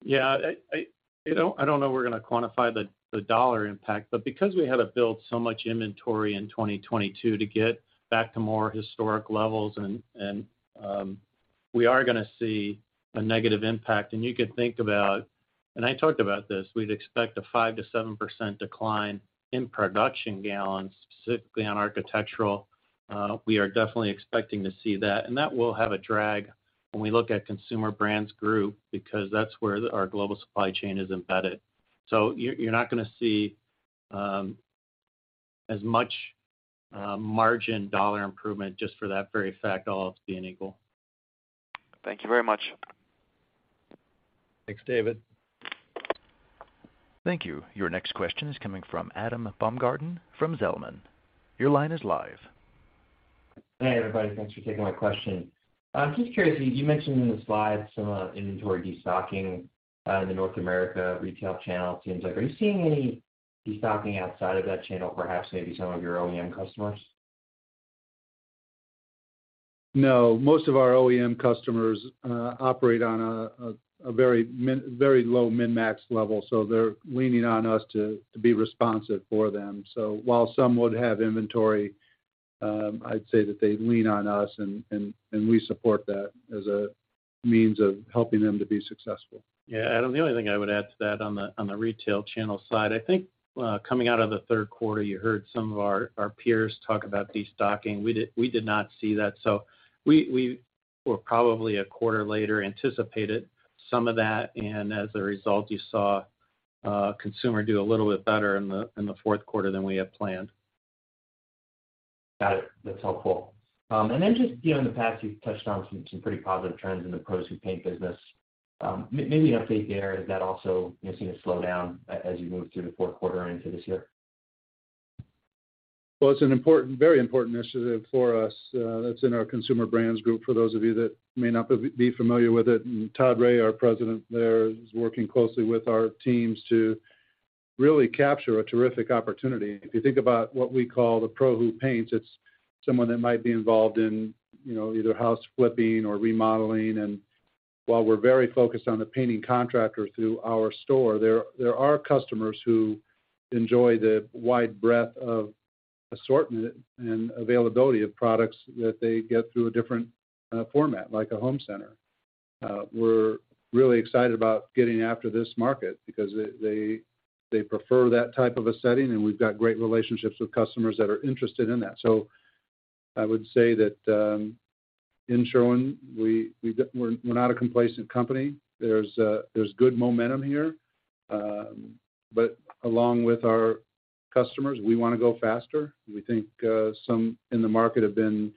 I don't know we're gonna quantify the dollar impact. Because we had to build so much inventory in 2022 to get back to more historic levels and we are gonna see a negative impact. You could think about, and I talked about this, we'd expect a 5%-7% decline in production gallons, specifically on architectural. We are definitely expecting to see that. That will have a drag when we look at Consumer Brands Group because that's where our global supply chain is embedded. You're not gonna see as much margin dollar improvement just for that very fact, all else being equal. Thank you very much. Thanks, David. Thank you. Your next question is coming from Adam Baumgarten from Zelman. Your line is live. Hey, everybody. Thanks for taking my question. I'm just curious, you mentioned in the slides some inventory destocking in the North America retail channel, it seems like. Are you seeing any destocking outside of that channel, perhaps maybe some of your OEM customers? No. Most of our OEM customers operate on a very low min-max level, so they're leaning on us to be responsive for them. While some would have inventory. I'd say that they lean on us, and we support that as a means of helping them to be successful. Yeah, Adam, the only thing I would add to that on the retail channel side, I think, coming out of the Q3, you heard some of our peers talk about destocking. We did not see that. We were probably a quarter later anticipated some of that, and as a result, you saw consumer do a little bit better in the Q4 than we had planned. Got it. That's helpful. Then just, you know, in the past, you've touched on some pretty positive trends in the pro painter business. Maybe an update there. Is that also missing a slowdown as you move through the Q4 into this year? Well, it's an important, very important initiative for us, that's in our Consumer Brands Group for those of you that may not be familiar with it. Todd Rea, our president there, is working closely with our teams to really capture a terrific opportunity. If you think about what we call the ProWho Paints, it's someone that might be involved in, you know, either house flipping or remodeling. While we're very focused on the painting contractor through our store, there are customers who enjoy the wide breadth of assortment and availability of products that they get through a different format, like a home center. We're really excited about getting after this market because they prefer that type of a setting, and we've got great relationships with customers that are interested in that. I would say that, in showing we're not a complacent company. There's good momentum here. Along with our customers, we wanna go faster. We think, some in the market have been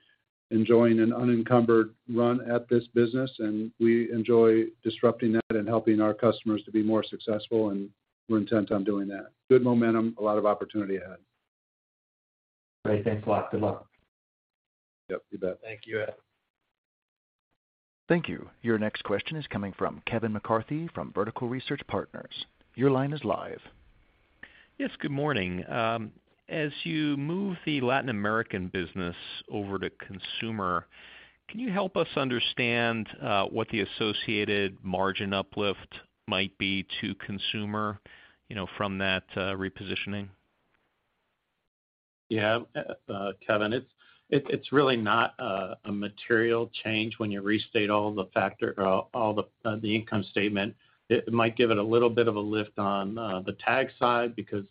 enjoying an unencumbered run at this business, and we enjoy disrupting that and helping our customers to be more successful, and we're intent on doing that. Good momentum, a lot of opportunity ahead. Great. Thanks a lot. Good luck. Yep, you bet. Thank you, Ed. Thank you. Your next question is coming from Kevin McCarthy from Vertical Research Partners. Your line is live. Good morning. As you move the Latin American business over to Consumer, can you help us understand what the associated margin uplift might be to Consumer, you know, from that repositioning? Yeah. Kevin, it's really not a material change when you restate all the income statement. It might give it a little bit of a lift on the TAG side because,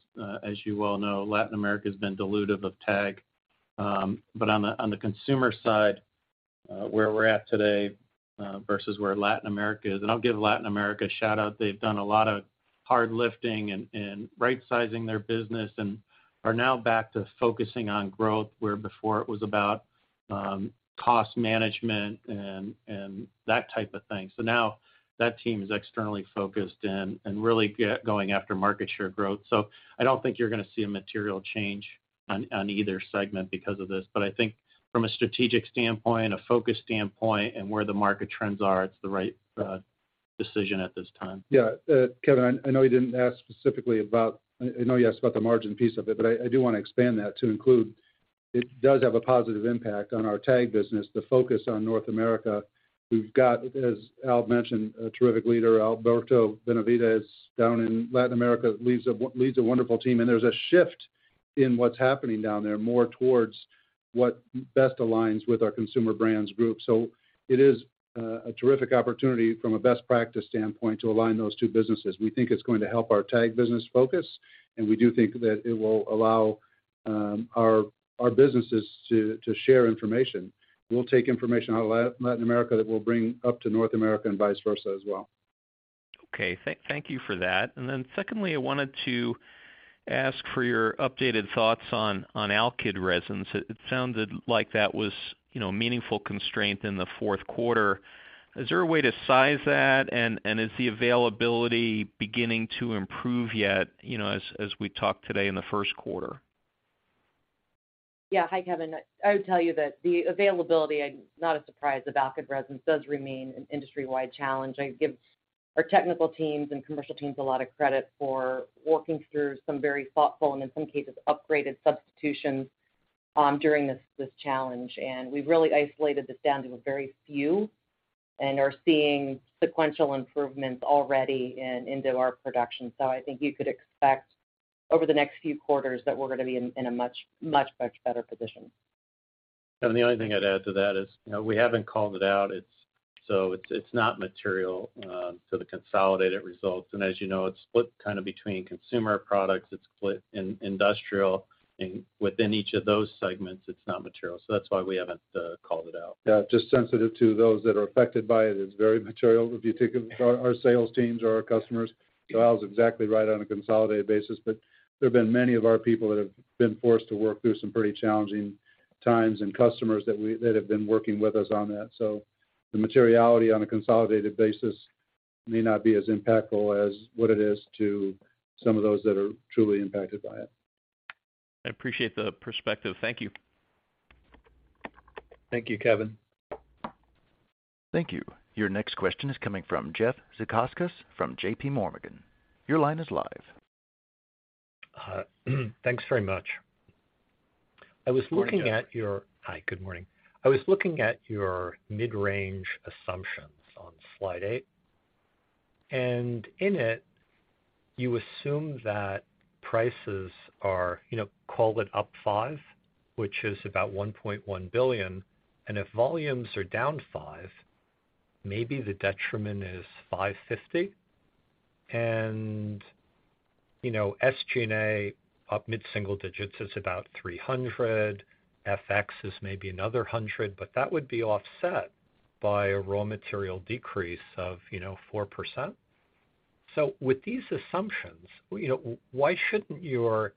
as you well know, Latin America has been dilutive of TAG. But on the, on the consumer side, where we're at today, versus where Latin America is, and I'll give Latin America a shout-out. They've done a lot of hard lifting and rightsizing their business and are now back to focusing on growth, where before it was about cost management and that type of thing. Now that team is externally focused and really going after market share growth. I don't think you're gonna see a material change on either segment because of this. I think from a strategic standpoint, a focus standpoint, and where the market trends are, it's the right decision at this time. Yeah. Kevin, I know you didn't ask specifically about. I know you asked about the margin piece of it, but I do wanna expand that to include it does have a positive impact on our TAG business, the focus on North America. We've got, as Al mentioned, a terrific leader. Alberto Benavides down in Latin America leads a wonderful team. There's a shift in what's happening down there, more towards what best aligns with our Consumer Brands Group. It is a terrific opportunity from a best practice standpoint to align those two businesses. We think it's going to help our TAG business focus, and we do think that it will allow our businesses to share information. We'll take information out of Latin America that we'll bring up to North America and vice versa as well. Thank you for that. Secondly, I wanted to ask for your updated thoughts on alkyd resins. It sounded like that was, you know, meaningful constraint in thQ4. Is there a way to size that, and is the availability beginning to improve yet, you know, as we talk today in the Q1? Yeah. Hi, Kevin. I would tell you that the availability, and not a surprise, of alkyd resins does remain an industry-wide challenge. I give our technical teams and commercial teams a lot of credit for working through some very thoughtful and, in some cases, upgraded substitutions during this challenge. We've really isolated this down to a very few and are seeing sequential improvements already into our production. I think you could expect over the next few quarters that we're gonna be in a much, much, much better position. The only thing I'd add to that is, you know, we haven't called it out. It's not material to the consolidated results. As you know, it's split kind of between consumer products. It's split in industrial, and within each of those segments, it's not material. That's why we haven't called it out. Just sensitive to those that are affected by it. It's very material if you take our sales teams or our customers. Al's exactly right on a consolidated basis. There have been many of our people that have been forced to work through some pretty challenging times and customers that have been working with us on that. The materiality on a consolidated basis may not be as impactful as what it is to some of those that are truly impacted by it. I appreciate the perspective. Thank you. Thank you, Kevin. Thank you. Your next question is coming from Jeff Zekauskas from JP Morgan. Your line is live. Hi. Thanks very much. I was looking at. Good morning, Jeff. Hi, good morning. I was looking at your mid-range assumptions on slide eight. In it, you assume that prices are, you know, call it up 5, which is about $1.1 billion. If volumes are down 5, maybe the detriment is $550 million. You know, SG&A up mid-single digits is about $300 million. FX is maybe another $100 million, that would be offset by a raw material decrease of, you know, 4%. With these assumptions, you know, why shouldn't your,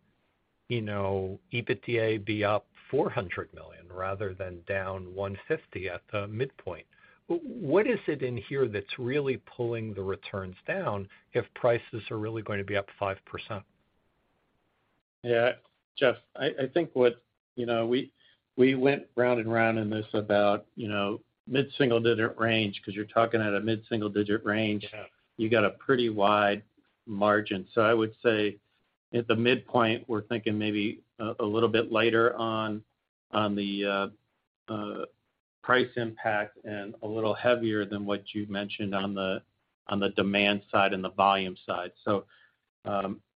you know, EBITDA be up $400 million rather than down $150 million at the midpoint? What is it in here that's really pulling the returns down if prices are really going to be up 5%? Yeah. Jeff, I think what, you know, we went round and round in this about, you know, mid-single digit range because you're talking at a mid-single digit range. Yeah. You got a pretty wide margin. I would say at the midpoint, we're thinking maybe a little bit later on the price impact and a little heavier than what you've mentioned on the demand side and the volume side.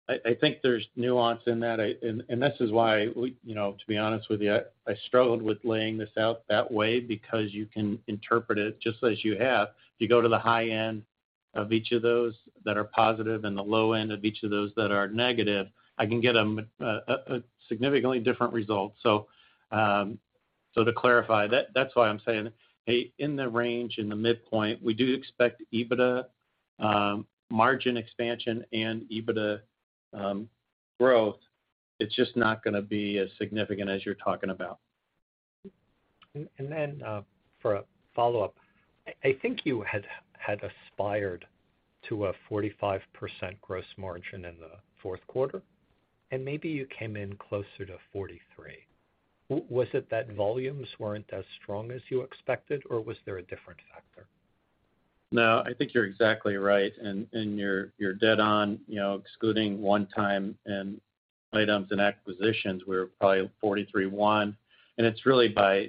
I think there's nuance in that. This is why you know, to be honest with you, I struggled with laying this out that way because you can interpret it just as you have. If you go to the high end of each of those that are positive and the low end of each of those that are negative, I can get a significantly different result. To clarify, so that's why I'm saying, hey, in the range, in the midpoint, we do expect EBITDA margin expansion and EBITDA growth. It's just not gonna be as significant as you're talking about. For a follow-up, I think you had aspired to a 45% gross margin in the Q4, and maybe you came in closer to 43. Was it that volumes weren't as strong as you expected, or was there a different factor? No, I think you're exactly right, and you're dead on. You know, excluding one-time and items and acquisitions, we're probably 43.1%, and it's really by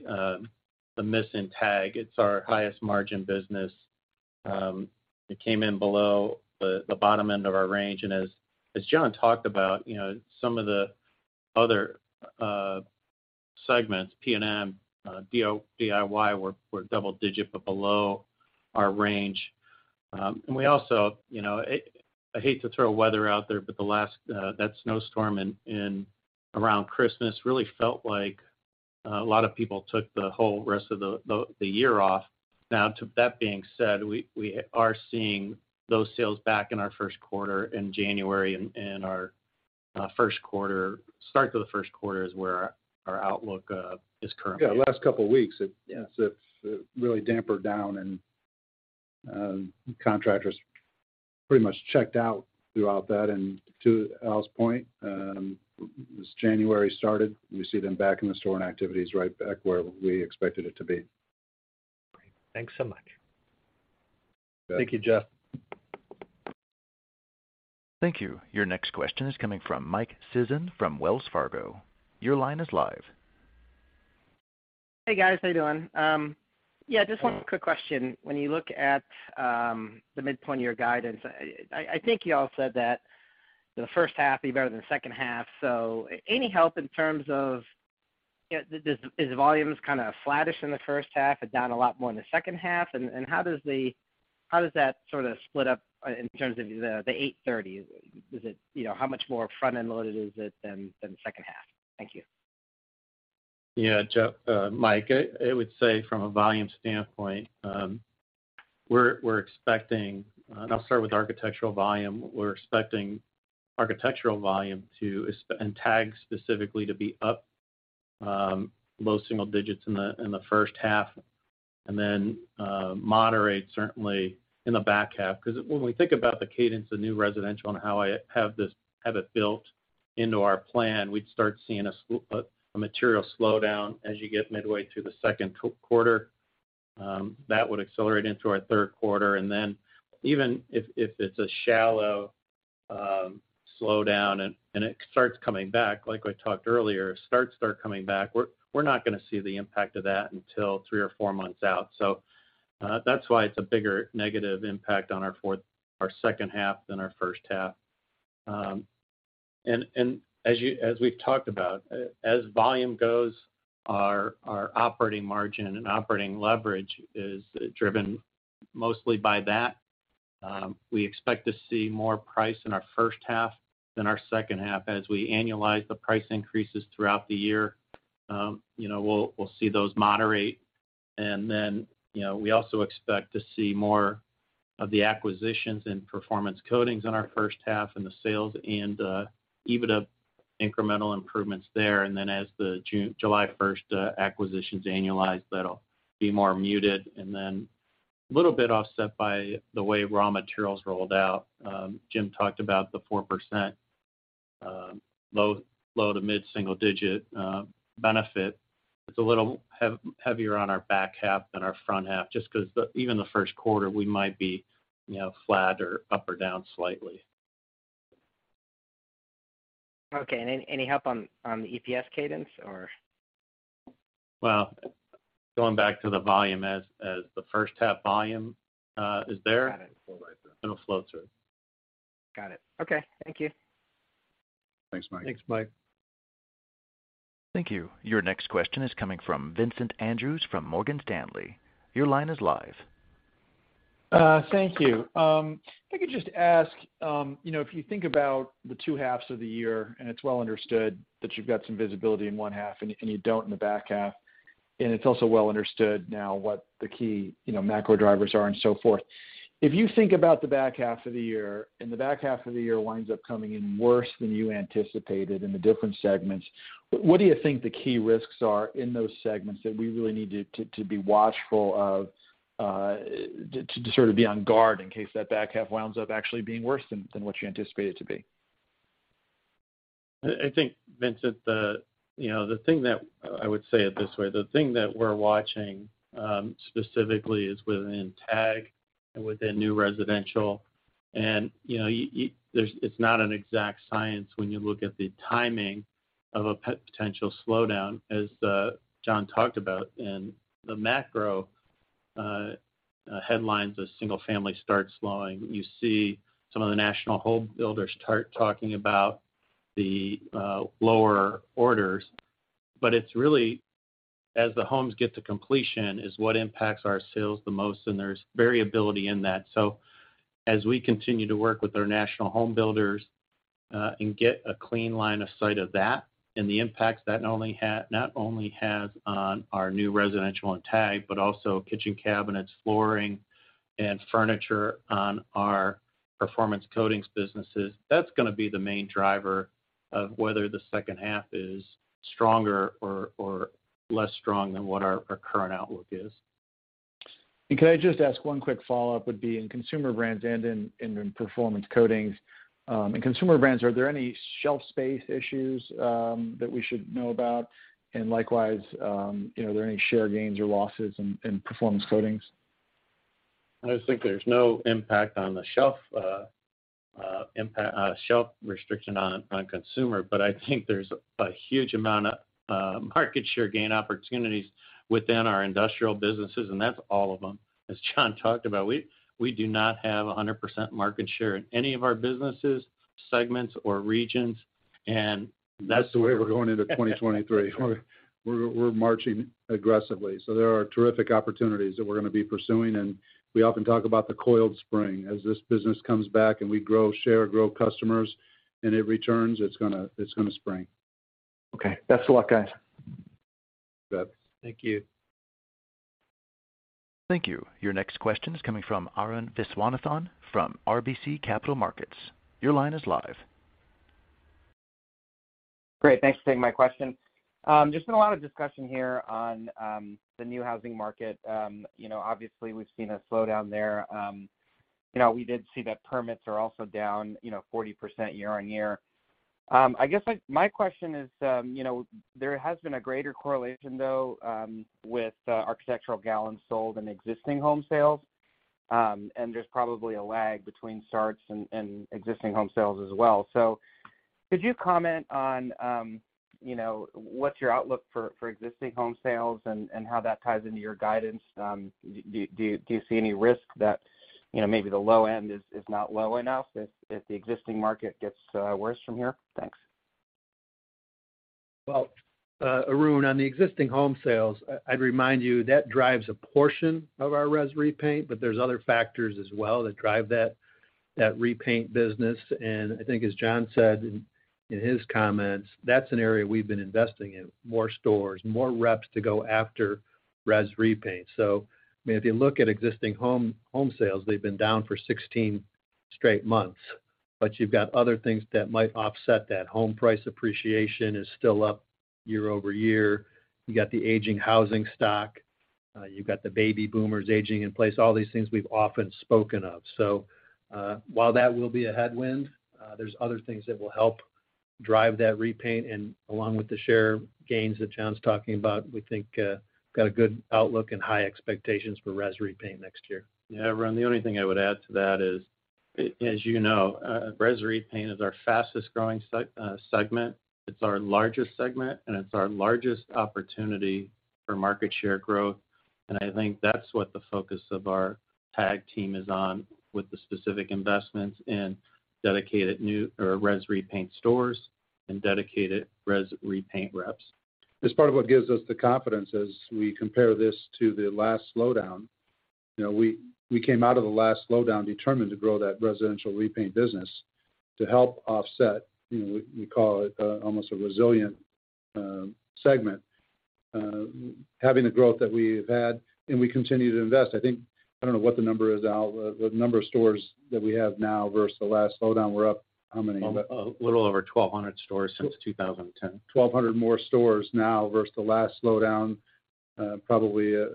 the missing TAG. It's our highest margin business. It came in below the bottom end of our range. As John talked about, you know, some of the other segments, P&M, DIY were double-digit but below our range. We also, you know, I hate to throw weather out there, but the last that snowstorm in around Christmas really felt like a lot of people took the whole rest of the year off. To that being said, we are seeing those sales back in our Q1 in January and our Q1. Start to theQ1 is where our outlook is currently. Yeah, last couple weeks. Yeah... it's really dampened down and contractors pretty much checked out throughout that. To Al's point, as January started, we see them back in the store and activity's right back where we expected it to be. Great. Thanks so much. Thank you, Jeff. Thank you. Your next question is coming from Michael Sison from Wells Fargo. Your line is live. Hey, guys. How you doing? Yeah, just one quick question. When you look at the midpoint of your guidance, I think you all said that the first half be better than the second half. Any help in terms of, you know, is volumes kind of flattish in the first half and down a lot more in the second half? How does that sort of split up in terms of the 830? Is it, you know, how much more front-end loaded is it than the second half? Thank you. Yeah. Jeff, Mike, I would say from a volume standpoint, we're expecting, and I'll start with architectural volume. We're expecting architectural volume to and TAG specifically to be up low single digits in the first half and then moderate certainly in the back half. When we think about the cadence of new residential and how I have it built into our plan, we'd start seeing a material slowdown as you get midway through the Q2 That would accelerate into our Q3. Even if it's a shallow slowdown and it starts coming back, like we talked earlier, start coming back, we're not gonna see the impact of that until three or four months out. That's why it's a bigger negative impact on our second half than our first half. As we've talked about, as volume goes, our operating margin and operating leverage is driven mostly by that. We expect to see more price in our first half than our second half. As we annualize the price increases throughout the year, you know, we'll see those moderate. Then, you know, we also expect to see more of the acquisitions and Performance Coatings in our first half and the sales and EBITDA incremental improvements there. Then as the July first acquisitions annualize, that'll be more muted and then a little bit offset by the way raw materials rolled out. Jim talked about the 4%, low to mid-single digit benefit. It's a little heavier on our back half than our front half just 'cause the, even the Q1 we might be, you know, flat or up or down slightly. Okay. Any, any help on the EPS cadence or? Well, going back to the volume as the first half volume. Got it.... it'll flow through. Got it. Okay. Thank you. Thanks, Mike. Thanks, Mike. Thank you. Your next question is coming from Vincent Andrews from Morgan Stanley. Your line is live. Thank you. If I could just ask, you know, if you think about the two halves of the year, it's well understood that you've got some visibility in one half and you don't in the back half. It's also well understood now what the key, you know, macro drivers are and so forth. If you think about the back half of the year, the back half of the year winds up coming in worse than you anticipated in the different segments, what do you think the key risks are in those segments that we really need to be watchful of, to sort of be on guard in case that back half winds up actually being worse than what you anticipate it to be? I think, Vincent, you know, the thing that I would say it this way, the thing that we're watching specifically is within TAG and within new residential. You know, there's it's not an exact science when you look at the timing of a potential slowdown, as John talked about. In the macro headlines, as single family starts slowing, you see some of the national home builders start talking about the lower orders. It's really as the homes get to completion is what impacts our sales the most, and there's variability in that. As we continue to work with our national home builders, and get a clean line of sight of that and the impacts that not only has on our new residential and TAG, but also kitchen cabinets, flooring, and furniture on our Performance Coatings businesses, that's gonna be the main driver of whether the second half is stronger or less strong than what our current outlook is. Could I just ask one quick follow-up would be in Consumer Brands and in Performance Coatings. In Consumer Brands, are there any shelf space issues that we should know about? Likewise, you know, are there any share gains or losses in Performance Coatings? I just think there's no impact on the shelf, impact, shelf restriction on consumer. I think there's a huge amount of market share gain opportunities within our industrial businesses. That's all of them. As John talked about, we do not have 100% market share in any of our businesses, segments or regions. That's the way we're going into 2023. We're marching aggressively. There are terrific opportunities that we're gonna be pursuing, and we often talk about the coiled spring. As this business comes back and we grow share, grow customers, and it returns, it's gonna spring. Okay. Best of luck, guys. You bet. Thank you. Thank you. Your next question is coming from Arun Viswanathan from RBC Capital Markets. Your line is live. Great. Thanks for taking my question. There's been a lot of discussion here on the new housing market. You know, obviously we've seen a slowdown there. You know, we did see that permits are also down, you know, 40% year-on-year. I guess, like, my question is, you know, there has been a greater correlation though, with architectural gallons sold and existing home sales, and there's probably a lag between starts and existing home sales as well. Could you comment on, you know, what's your outlook for existing home sales and how that ties into your guidance? Do you see any risk that, you know, maybe the low end is not low enough if the existing market gets worse from here? Thanks. Well, Arun, on the existing home sales, I'd remind you that drives a portion of our res repaint, but there's other factors as well that drive that repaint business. I think as John said in his comments, that's an area we've been investing in, more stores, more reps to go after res repaint. I mean, if you look at existing home sales, they've been down for 16 straight months. You've got other things that might offset that. Home price appreciation is still up year-over-year. You got the aging housing stock, you've got the baby boomers aging in place, all these things we've often spoken of. While that will be a headwind, there's other things that will help drive that repaint. Along with the share gains that John's talking about, we think, got a good outlook and high expectations for res repaint next year. Yeah, Arun, the only thing I would add to that is, as you know, res repaint is our fastest growing segment. It's our largest segment, and it's our largest opportunity for market share growth. I think that's what the focus of our TAG team is on with the specific investments in dedicated new or res repaint stores and dedicated res repaint reps. It's part of what gives us the confidence as we compare this to the last slowdown. You know, we came out of the last slowdown determined to grow that residential repaint business to help offset, you know, we call it, almost a resilient segment. Having the growth that we've had, and we continue to invest. I think, I don't know what the number is, Al, the number of stores that we have now versus the last slowdown, we're up how many? A little over 1,200 stores since 2010. 1,200 more stores now versus the last slowdown. probably a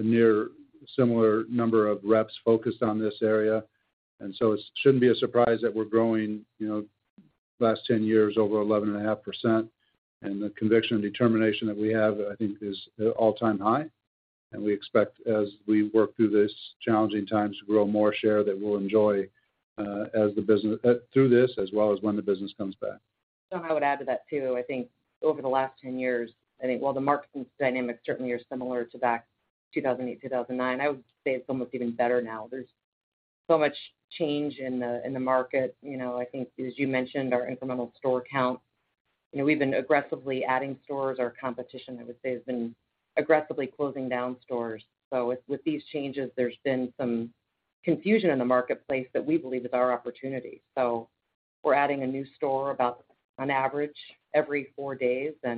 near similar number of reps focused on this area. It shouldn't be a surprise that we're growing, you know, last 10 years over 11.5%. The conviction and determination that we have, I think is all-time high. We expect as we work through this challenging times to grow more share that we'll enjoy as the business through this as well as when the business comes back. I would add to that, too. I think over the last 10 years, I think while the market dynamics certainly are similar to back 2008, 2009, I would say it's almost even better now. There's so much change in the market. You know, I think as you mentioned, our incremental store count, you know, we've been aggressively adding stores. Our competition, I would say, has been aggressively closing down stores. With these changes, there's been some confusion in the marketplace that we believe is our opportunity. We're adding a new store about on average every 4 days. I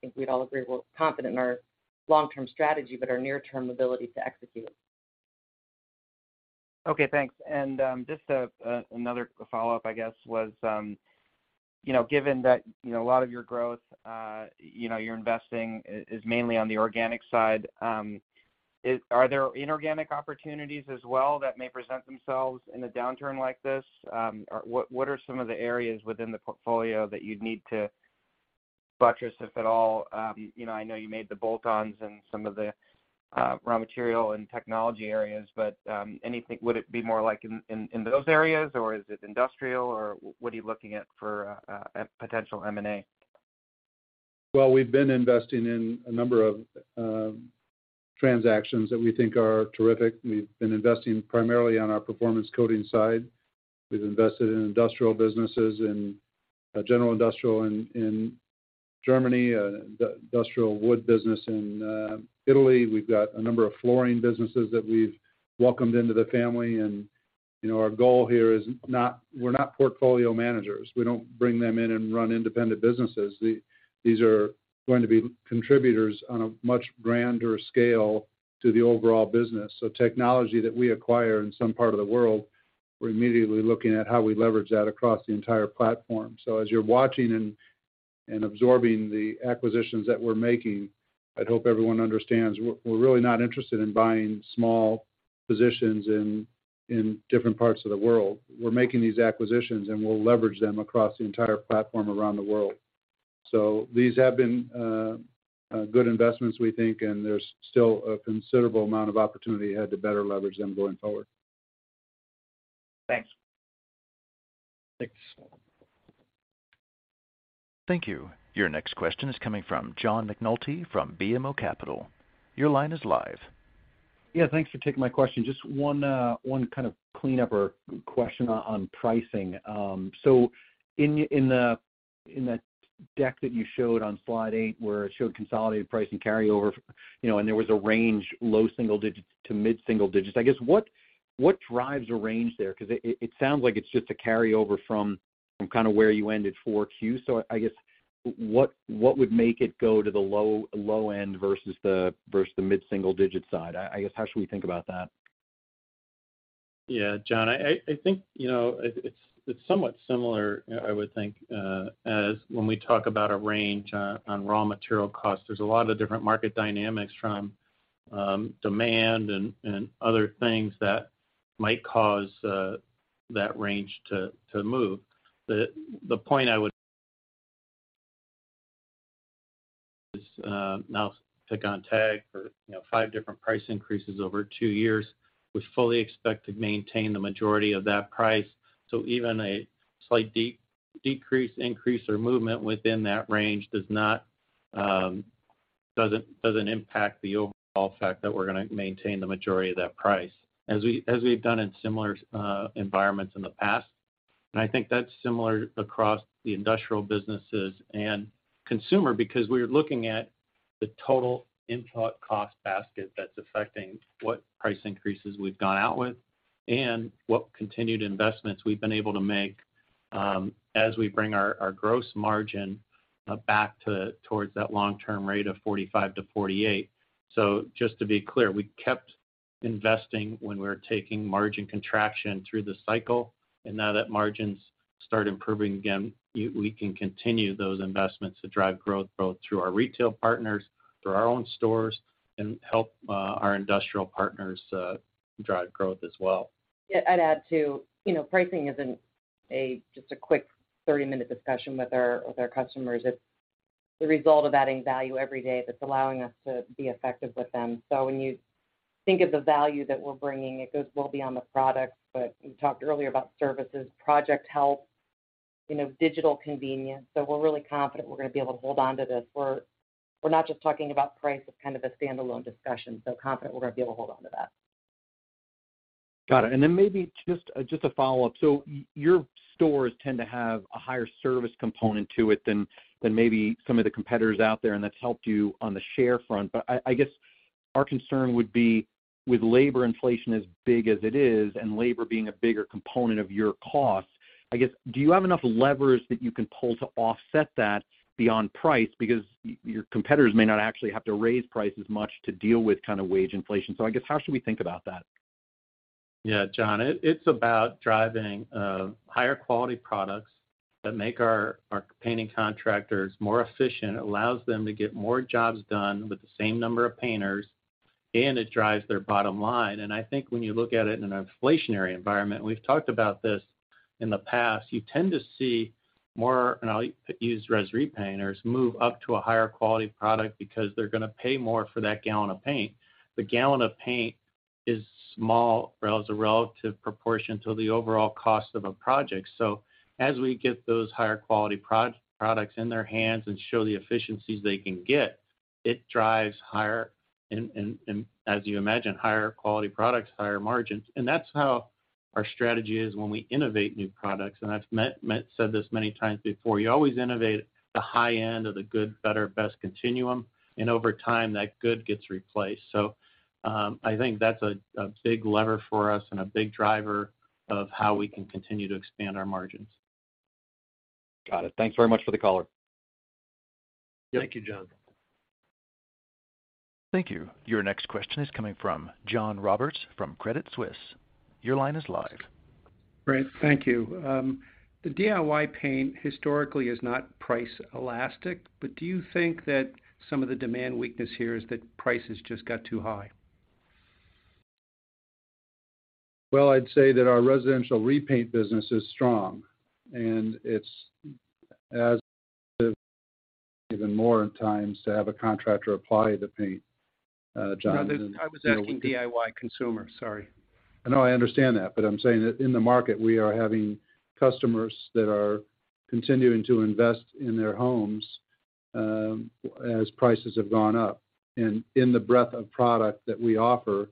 think we'd all agree we're confident in our long-term strategy, but our near-term ability to execute. Okay, thanks. Just another follow-up, I guess, was, you know, given that, you know, a lot of your growth, you know, you're investing is mainly on the organic side, are there inorganic opportunities as well that may present themselves in a downturn like this? Or what are some of the areas within the portfolio that you'd need to buttress, if at all? You know, I know you made the bolt-ons in some of the raw material and technology areas, but anything would it be more like in those areas, or is it industrial, or what are you looking at for potential M&A? Well, we've been investing in a number of transactions that we think are terrific. We've been investing primarily on our performance coating side. We've invested in industrial businesses, in general industrial in Germany, the industrial wood business in Italy. We've got a number of flooring businesses that we've welcomed into the family. You know, our goal here is not, we're not portfolio managers. We don't bring them in and run independent businesses. These are going to be contributors on a much grander scale to the overall business. Technology that we acquire in some part of the world, we're immediately looking at how we leverage that across the entire platform. As you're watching and absorbing the acquisitions that we're making, I'd hope everyone understands we're really not interested in buying small positions in different parts of the world. We're making these acquisitions, and we'll leverage them across the entire platform around the world. These have been good investments, we think, and there's still a considerable amount of opportunity ahead to better leverage them going forward. Thanks. Thanks. Thank you. Your next question is coming from John McNulty from BMO Capital. Your line is live. Yeah, thanks for taking my question. Just one kind of cleanup or question on pricing. In the deck that you showed on slide 8, where it showed consolidated price and carryover, you know, and there was a range, low single digits to mid-single digits. I guess what drives the range there? 'Cause it sounds like it's just a carryover from kind of where you ended 4Q. I guess what would make it go to the low end versus the mid-single digit side? I guess, how should we think about that? Yeah, John, I think, you know, it's somewhat similar, I would think, as when we talk about a range on raw material costs. There's a lot of different market dynamics from demand and other things that might cause that range to move. The point I would is now pick on TAG for, you know, five different price increases over two years. We fully expect to maintain the majority of that price. Even a slight decrease, increase, or movement within that range does not, doesn't impact the overall fact that we're gonna maintain the majority of that price, as we've done in similar environments in the past. I think that's similar across the industrial businesses and consumer, because we're looking at the total input cost basket that's affecting what price increases we've gone out with and what continued investments we've been able to make, as we bring our gross margin back towards that long-term rate of 45%-48%. Just to be clear, we kept investing when we were taking margin contraction through the cycle, and now that margins start improving again, we can continue those investments to drive growth both through our retail partners, through our own stores and help our industrial partners drive growth as well. Yeah, I'd add, too, you know, pricing isn't just a quick 30-minute discussion with our customers. It's the result of adding value every day that's allowing us to be effective with them. When you think of the value that we're bringing, it goes well beyond the product. We talked earlier about services, project help, you know, digital convenience. We're really confident we're gonna be able to hold on to this. We're not just talking about price as kind of a standalone discussion, so confident we're gonna be able to hold on to that. Got it. Maybe just a follow-up. Your stores tend to have a higher service component to it than maybe some of the competitors out there, and that's helped you on the share front. I guess our concern would be with labor inflation as big as it is and labor being a bigger component of your cost, I guess, do you have enough levers that you can pull to offset that beyond price? Your competitors may not actually have to raise prices much to deal with kind of wage inflation. I guess, how should we think about that? Yeah, John, it's about driving higher quality products that make our painting contractors more efficient, allows them to get more jobs done with the same number of painters, and it drives their bottom line. I think when you look at it in an inflationary environment, we've talked about this in the past, you tend to see more, you know, used res repaint or it's moved up to a higher quality product because they're gonna pay more for that gallon of paint. The gallon of paint is small as a relative proportion to the overall cost of a project. As we get those higher quality products in their hands and show the efficiencies they can get, it drives higher and as you imagine, higher quality products, higher margins. That's how our strategy is when we innovate new products. I've said this many times before, you always innovate the high end of the good, better, best continuum, and over time, that good gets replaced. I think that's a big lever for us and a big driver of how we can continue to expand our margins. Got it. Thanks very much for the color. Thank you, John. Thank you. Your next question is coming from John Roberts from Credit Suisse. Your line is live. Great. Thank you. The DIY paint historically is not price elastic, but do you think that some of the demand weakness here is that prices just got too high? Well, I'd say that our residential repaint business is strong, and it's as even more times to have a contractor apply the paint, John. No, I was asking DIY consumer. Sorry. No, I understand that, but I'm saying that in the market, we are having customers that are continuing to invest in their homes, as prices have gone up. In the breadth of product that we offer,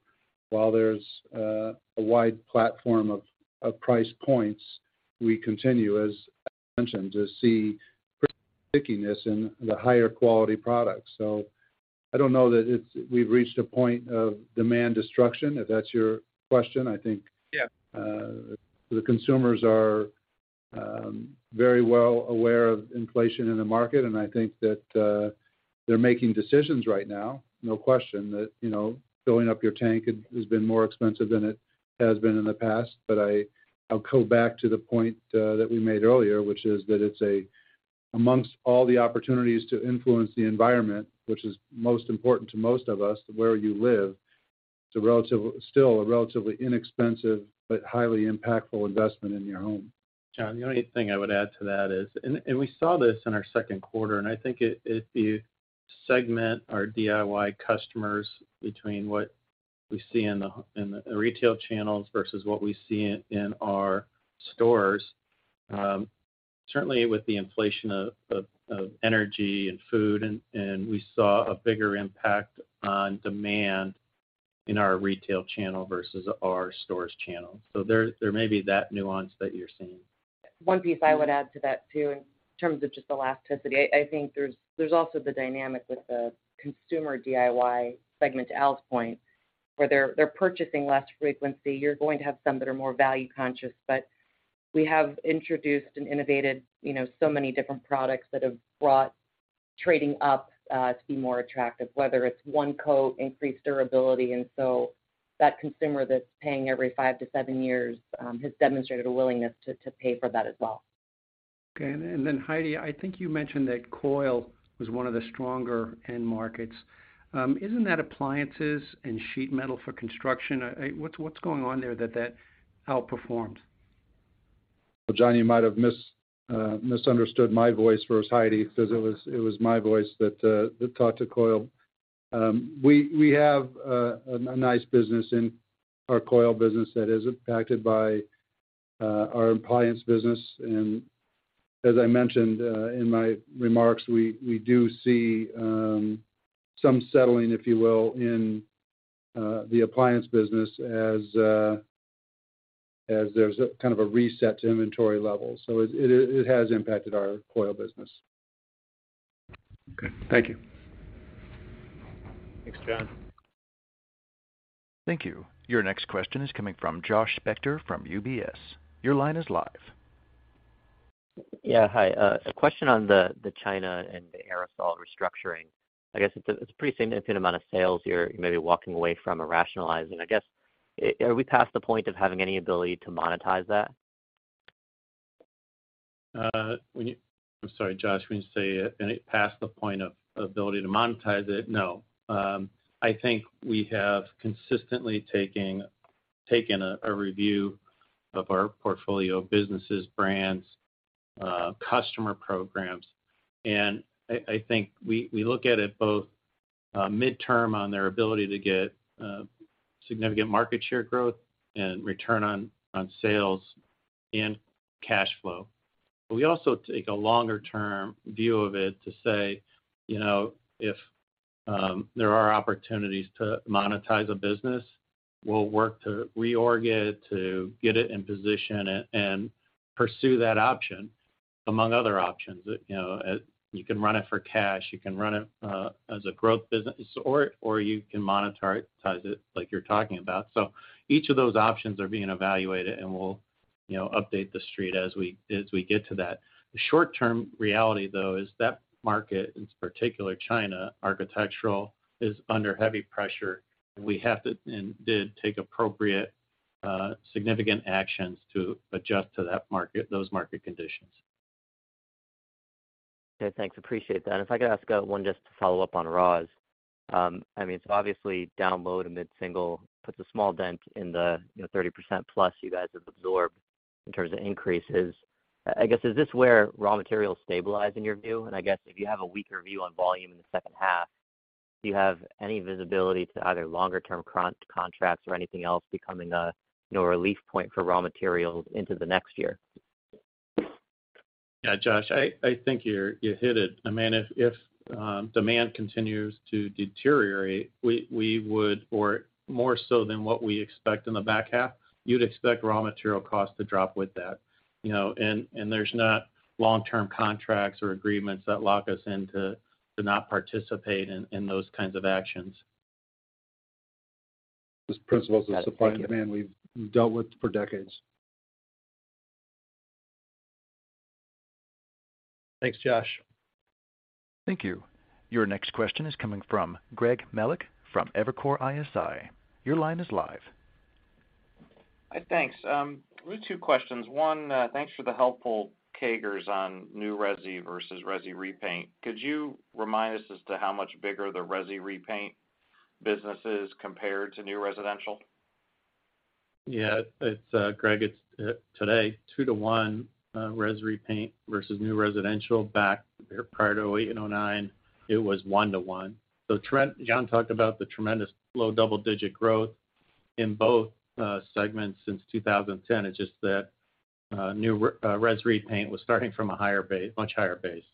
while there's a wide platform of price points, we continue, as I mentioned, to see stickiness in the higher quality products. I don't know that we've reached a point of demand destruction, if that's your question. I think- Yeah. The consumers are very well aware of inflation in the market, I think that they're making decisions right now, no question, that, you know, filling up your tank has been more expensive than it has been in the past. I'll go back to the point that we made earlier, which is that amongst all the opportunities to influence the environment, which is most important to most of us, where you live, it's still a relatively inexpensive but highly impactful investment in your home. John, the only thing I would add to that is. We saw this in our Q2, and I think if you segment our DIY customers between what we see in the retail channels versus what we see in our stores, certainly with the inflation of energy and food, and we saw a bigger impact on demand in our retail channel versus our stores channel. There may be that nuance that you're seeing. One piece I would add to that too in terms of just elasticity, I think there's also the dynamic with the consumer DIY segment, to Al's point, where they're purchasing less frequency. You're going to have some that are more value conscious. We have introduced and innovated, you know, so many different products that have brought trading up to be more attractive, whether it's one coat, increased durability. That consumer that's paying every 5-7 years, has demonstrated a willingness to pay for that as well. Okay. Heidi, I think you mentioned that coil was one of the stronger end markets. Isn't that appliances and sheet metal for construction? What's going on there that outperformed? Well, John, you might have misunderstood my voice versus Heidi's 'cause it was my voice that talked to coil. We have a nice business in our coil business that is impacted by our appliance business. As I mentioned in my remarks, we do see some settling, if you will, in the appliance business as there's a kind of a reset to inventory levels. It has impacted our coil business. Okay. Thank you. Thanks, John. Thank you. Your next question is coming from Josh Spector from UBS. Your line is live. Yeah. Hi. A question on the China and the aerosol restructuring. I guess it's a pretty significant amount of sales you're maybe walking away from or rationalizing. I guess are we past the point of having any ability to monetize that? When you I'm sorry, Josh. When you say past the point of ability to monetize it, no. I think we have consistently taken a review of our portfolio of businesses, brands, customer programs, and I think we look at it both midterm on their ability to get significant market share growth and return on sales and cash flow. We also take a longer term view of it to say, you know, if there are opportunities to monetize a business, we'll work to reorg it, to get it in position and pursue that option among other options. You know, you can run it for cash, you can run it as a growth business or you can monetize it like you're talking about. Each of those options are being evaluated, and we'll, you know, update the street as we get to that. The short-term reality, though, is that market, in particular China architectural, is under heavy pressure. We have to and did take appropriate, significant actions to adjust to that market, those market conditions. Thanks. Appreciate that. If I could ask, one just to follow up on raws. I mean, it's obviously down low to mid-single, puts a small dent in the, you know, 30% plus you guys have absorbed in terms of increases. I guess, is this where raw materials stabilize in your view? I guess if you have a weaker view on volume in the second half, do you have any visibility to either longer-term contracts or anything else becoming a, you know, a relief point for raw materials into the next year? Yeah. Josh, I think you hit it. I mean, if demand continues to deteriorate, we would or more so than what we expect in the back half, you'd expect raw material costs to drop with that, you know. There's not long-term contracts or agreements that lock us in to not participate in those kinds of actions. Got it. Thank you. Those principles of supply and demand we've dealt with for decades. Thanks, Josh. Thank you. Your next question is coming from Greg Melich from Evercore ISI. Your line is live. Hi. Thanks. 1, thanks for the helpful CAGRs on new resi versus resi repaint. Could you remind us as to how much bigger the resi repaint business is compared to new residential? Yeah. It's, Greg, it's, today 2 to 1, res repaint versus new residential. Back prior to 2008 and 2009, it was 1 to 1. John talked about the tremendous low double-digit growth in both, segments since 2010. It's just that, new res repaint was starting from a higher base, much higher base.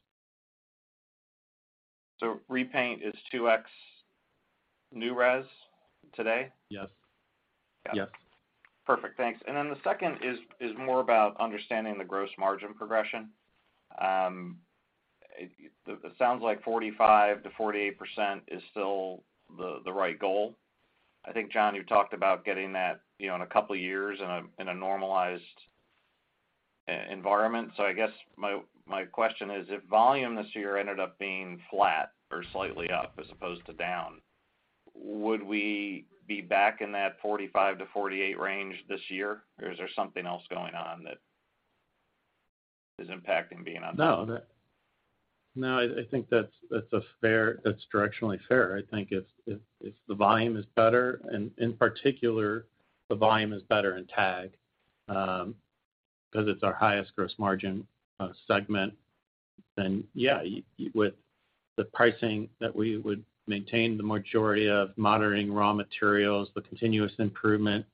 repaint is 2x new res today? Yes. Got it. Yes. Perfect, thanks. The second is more about understanding the gross margin progression. It sounds like 45%-48% is still the right goal. I think, John, you talked about getting that, you know, in a couple of years in a normalized e-environment. I guess my question is, if volume this year ended up being flat or slightly up as opposed to down, would we be back in that 45%-48% range this year, or is there something else going on that is impacting being on that? No. No, I think that's directionally fair. I think if the volume is better, and in particular, the volume is better in TAG, 'cause it's our highest gross margin segment, then yeah, with the pricing that we would maintain the majority of monitoring raw materials, the continuous improvement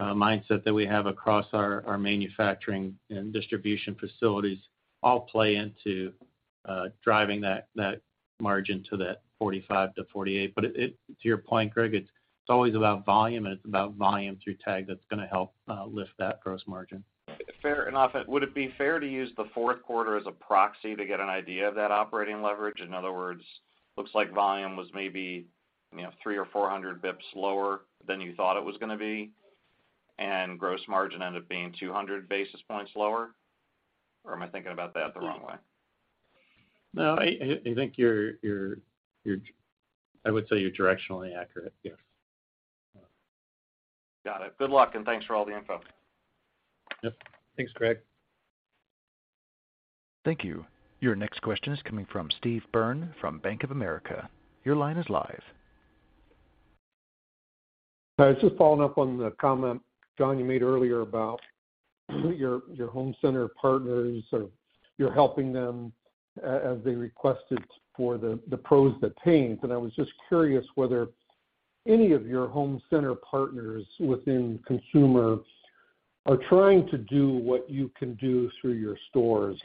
mindset that we have across our manufacturing and distribution facilities all play into driving that margin to that 45%-48%. It, to your point, Greg, it's always about volume, and it's about volume through TAG that's gonna help lift that gross margin. Fair enough. Would it be fair to use the Q4 as a proxy to get an idea of that operating leverage? In other words, looks like volume was maybe, you know, 300 or 400 basis points lower than you thought it was gonna be, gross margin ended up being 200 basis points lower, or am I thinking about that the wrong way? No. I think you're directionally accurate, yes. Yeah. Got it. Good luck, and thanks for all the info. Yep. Thanks, Greg. Thank you. Your next question is coming from Steve Byrne from Bank of America. Your line is live. Hi. Just following up on the comment, John, you made earlier about your home center partners or you're helping them as they requested for the pros, the paint. I was just curious whether any of your home center partners within consumer are trying to do what you can do through your stores,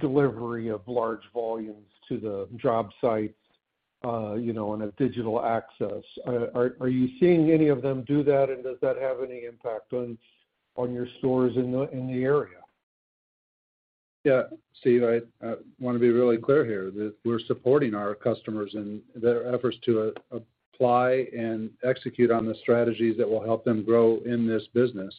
like delivery of large volumes to the job sites, you know, on a digital access. Are you seeing any of them do that, and does that have any impact on your stores in the area? Yeah. Steve, I wanna be really clear here that we're supporting our customers in their efforts to apply and execute on the strategies that will help them grow in this business.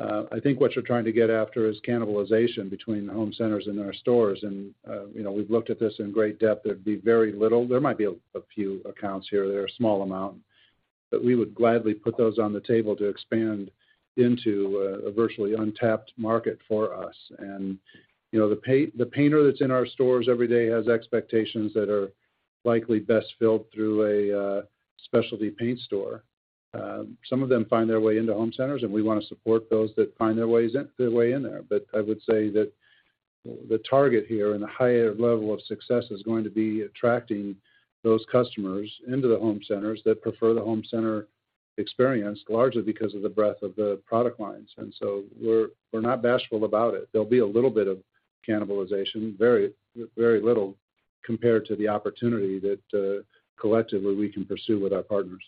I think what you're trying to get after is cannibalization between the home centers and our stores. You know, we've looked at this in great depth. It'd be very little. There might be a few accounts here or there, a small amount, but we would gladly put those on the table to expand into a virtually untapped market for us. You know, the painter that's in our stores every day has expectations that are likely best filled through a specialty paint store. Some of them find their way into home centers, and we wanna support those that find their way in there. I would say that the target here and the higher level of success is going to be attracting those customers into the home centers that prefer the home center experience, largely because of the breadth of the product lines. We're not bashful about it. There'll be a little bit of cannibalization, very little compared to the opportunity that collectively we can pursue with our partners.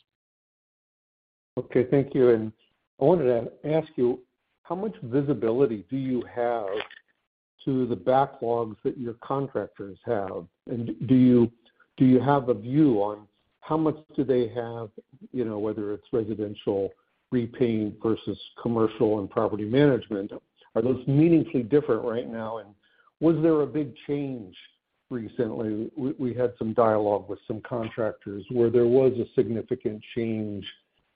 Okay, thank you. I wanted to ask you, how much visibility do you have to the backlogs that your contractors have? Do you have a view on how much do they have, you know, whether it's residential repaint versus commercial and property management? Are those meaningfully different right now, and was there a big change recently? We had some dialogue with some contractors where there was a significant change,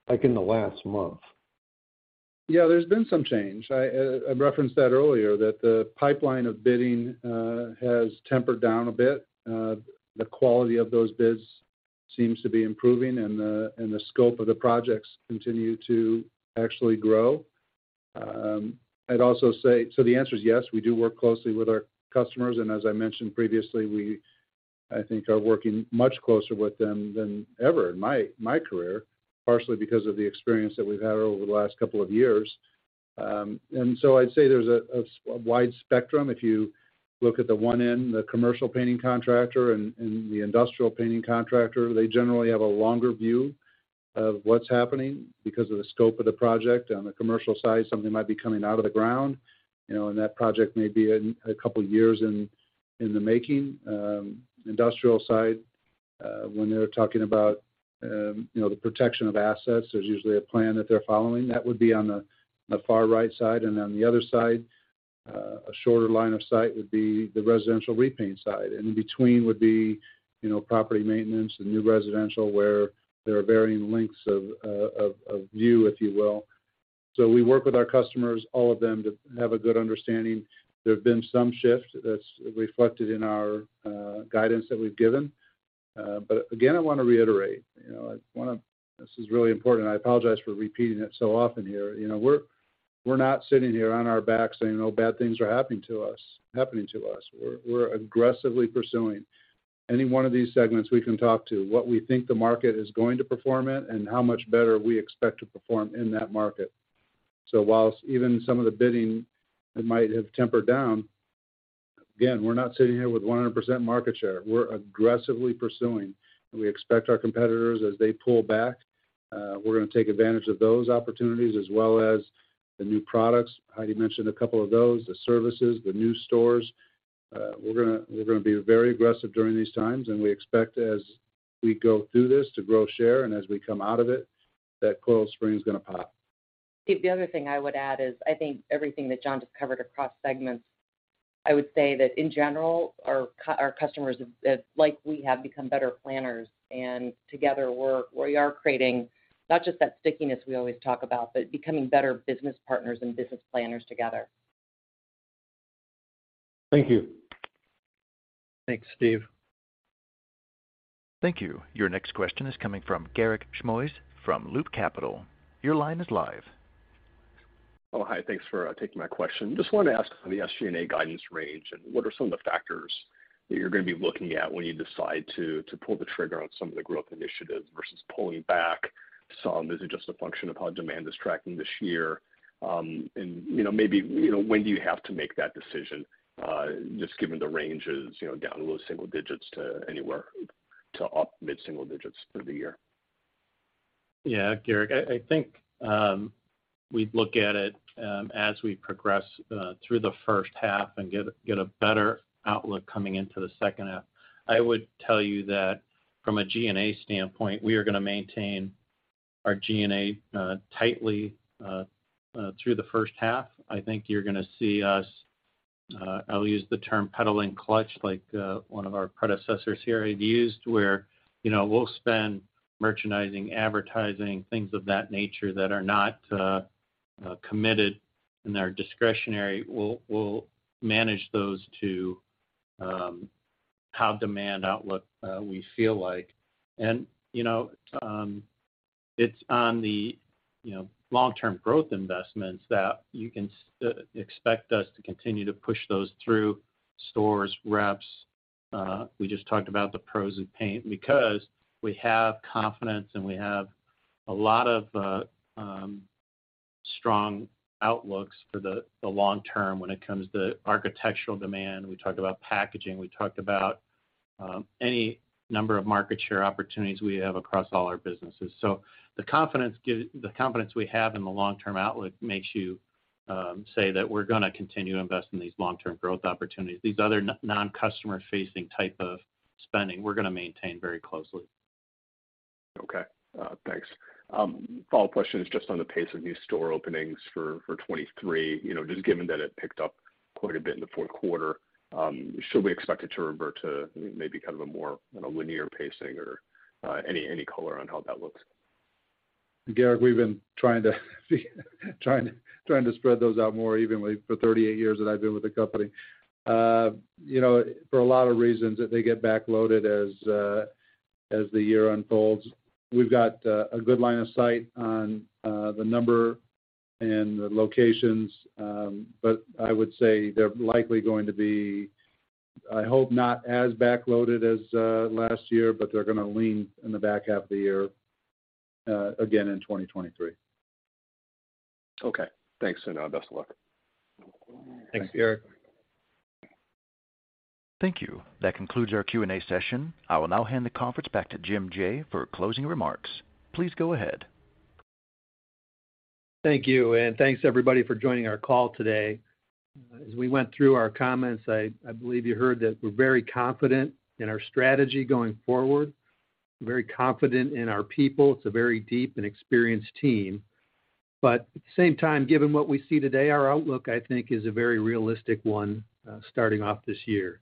like in the last month. Yeah, there's been some change. I referenced that earlier, that the pipeline of bidding has tempered down a bit. The quality of those bids seems to be improving, and the scope of the projects continue to actually grow. I'd also say... The answer is yes, we do work closely with our customers, and as I mentioned previously, we, I think, are working much closer with them than ever in my career, partially because of the experience that we've had over the last couple of years. I'd say there's a wide spectrum. If you look at the one end, the commercial painting contractor and the industrial painting contractor, they generally have a longer view of what's happening because of the scope of the project. On the commercial side, something might be coming out of the ground, you know, and that project may be a couple years in the making. Industrial side, when they're talking about, you know, the protection of assets, there's usually a plan that they're following. That would be on the far right side. On the other side, a shorter line of sight would be the residential repaint side. In between would be, you know, property maintenance and new residential, where there are varying lengths of view, if you will. We work with our customers, all of them, to have a good understanding. There have been some shifts that's reflected in our guidance that we've given. Again, I wanna reiterate, you know. This is really important. I apologize for repeating it so often here. You know, we're not sitting here on our backs saying, "Oh, bad things are happening to us." We're aggressively pursuing any one of these segments we can talk to, what we think the market is going to perform at and how much better we expect to perform in that market. Whilst even some of the bidding might have tempered down, again, we're not sitting here with 100% market share. We're aggressively pursuing. We expect our competitors as they pull back, we're gonna take advantage of those opportunities as well as the new products. Heidi mentioned a couple of those, the services, the new stores. We're gonna be very aggressive during these times, and we expect as we go through this to grow share, and as we come out of it, that coil spring's gonna pop. Steve, the other thing I would add is I think everything that John just covered across segments, I would say that in general, our customers, like we have, become better planners, and together we are creating not just that stickiness we always talk about, but becoming better business partners and business planners together. Thank you. Thanks, Steve. Thank you. Your next question is coming from Garik Shmois from Loop Capital. Your line is live. Hi. Thanks for taking my question. Just wanted to ask on the SG&A guidance range, and what are some of the factors that you're gonna be looking at when you decide to pull the trigger on some of the growth initiatives versus pulling back some? Is it just a function of how demand is tracking this year? You know, maybe, you know, when do you have to make that decision, just given the ranges, you know, down low single digits to anywhere to up mid single digits through the year? Yeah. Garik, I think we'd look at it as we progress through the first half and get a better outlook coming into the second half. I would tell you that from a G&A standpoint, we are gonna maintain our G&A tightly through the first half. I think you're gonna see us, I'll use the term pedaling clutch like one of our predecessors here had used, where, you know, we'll spend merchandising, advertising, things of that nature that are not committed and are discretionary. We'll manage those to how demand outlook we feel like. You know, it's on the, you know, long-term growth investments that you can expect us to continue to push those through stores, reps. We just talked about the pros of paint. We have confidence, and we have a lot of strong outlooks for the long term when it comes to architectural demand. We talked about packaging, we talked about any number of market share opportunities we have across all our businesses. The confidence we have in the long-term outlook makes you say that we're gonna continue to invest in these long-term growth opportunities. These other non-customer facing type of spending, we're gonna maintain very closely. Okay. Thanks. Follow-up question is just on the pace of new store openings for 2023. You know, just given that it picked up quite a bit in the Q4, should we expect it to revert to maybe kind of a more linear pacing or any color on how that looks? Garik, we've been trying to spread those out more evenly for 38 years that I've been with the company. You know, for a lot of reasons that they get backloaded as the year unfolds. We've got a good line of sight on the number and the locations, but I would say they're likely going to be, I hope not as backloaded as last year, but they're gonna lean in the back half of the year again in 2023. Okay. Thanks. Best of luck. Thanks, Garik. Thank you. That concludes our Q&A session. I will now hand the conference back to Jim Jay for closing remarks. Please go ahead. Thank you, thanks everybody for joining our call today. As we went through our comments, I believe you heard that we're very confident in our strategy going forward. Very confident in our people. It's a very deep and experienced team. At the same time, given what we see today, our outlook, I think, is a very realistic one, starting off this year.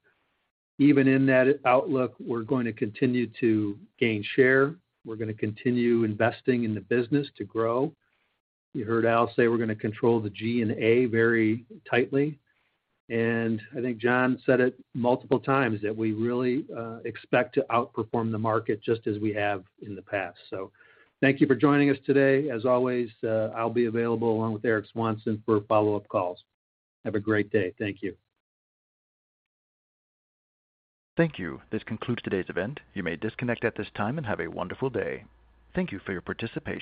Even in that outlook, we're going to continue to gain share. We're gonna continue investing in the business to grow. You heard Al say we're gonna control the G and A very tightly. I think John said it multiple times that we really expect to outperform the market just as we have in the past. Thank you for joining us today. As always, I'll be available along with Eric Swanson for follow-up calls. Have a great day. Thank you. Thank you. This concludes today's event. You may disconnect at this time and have a wonderful day. Thank you for your participation.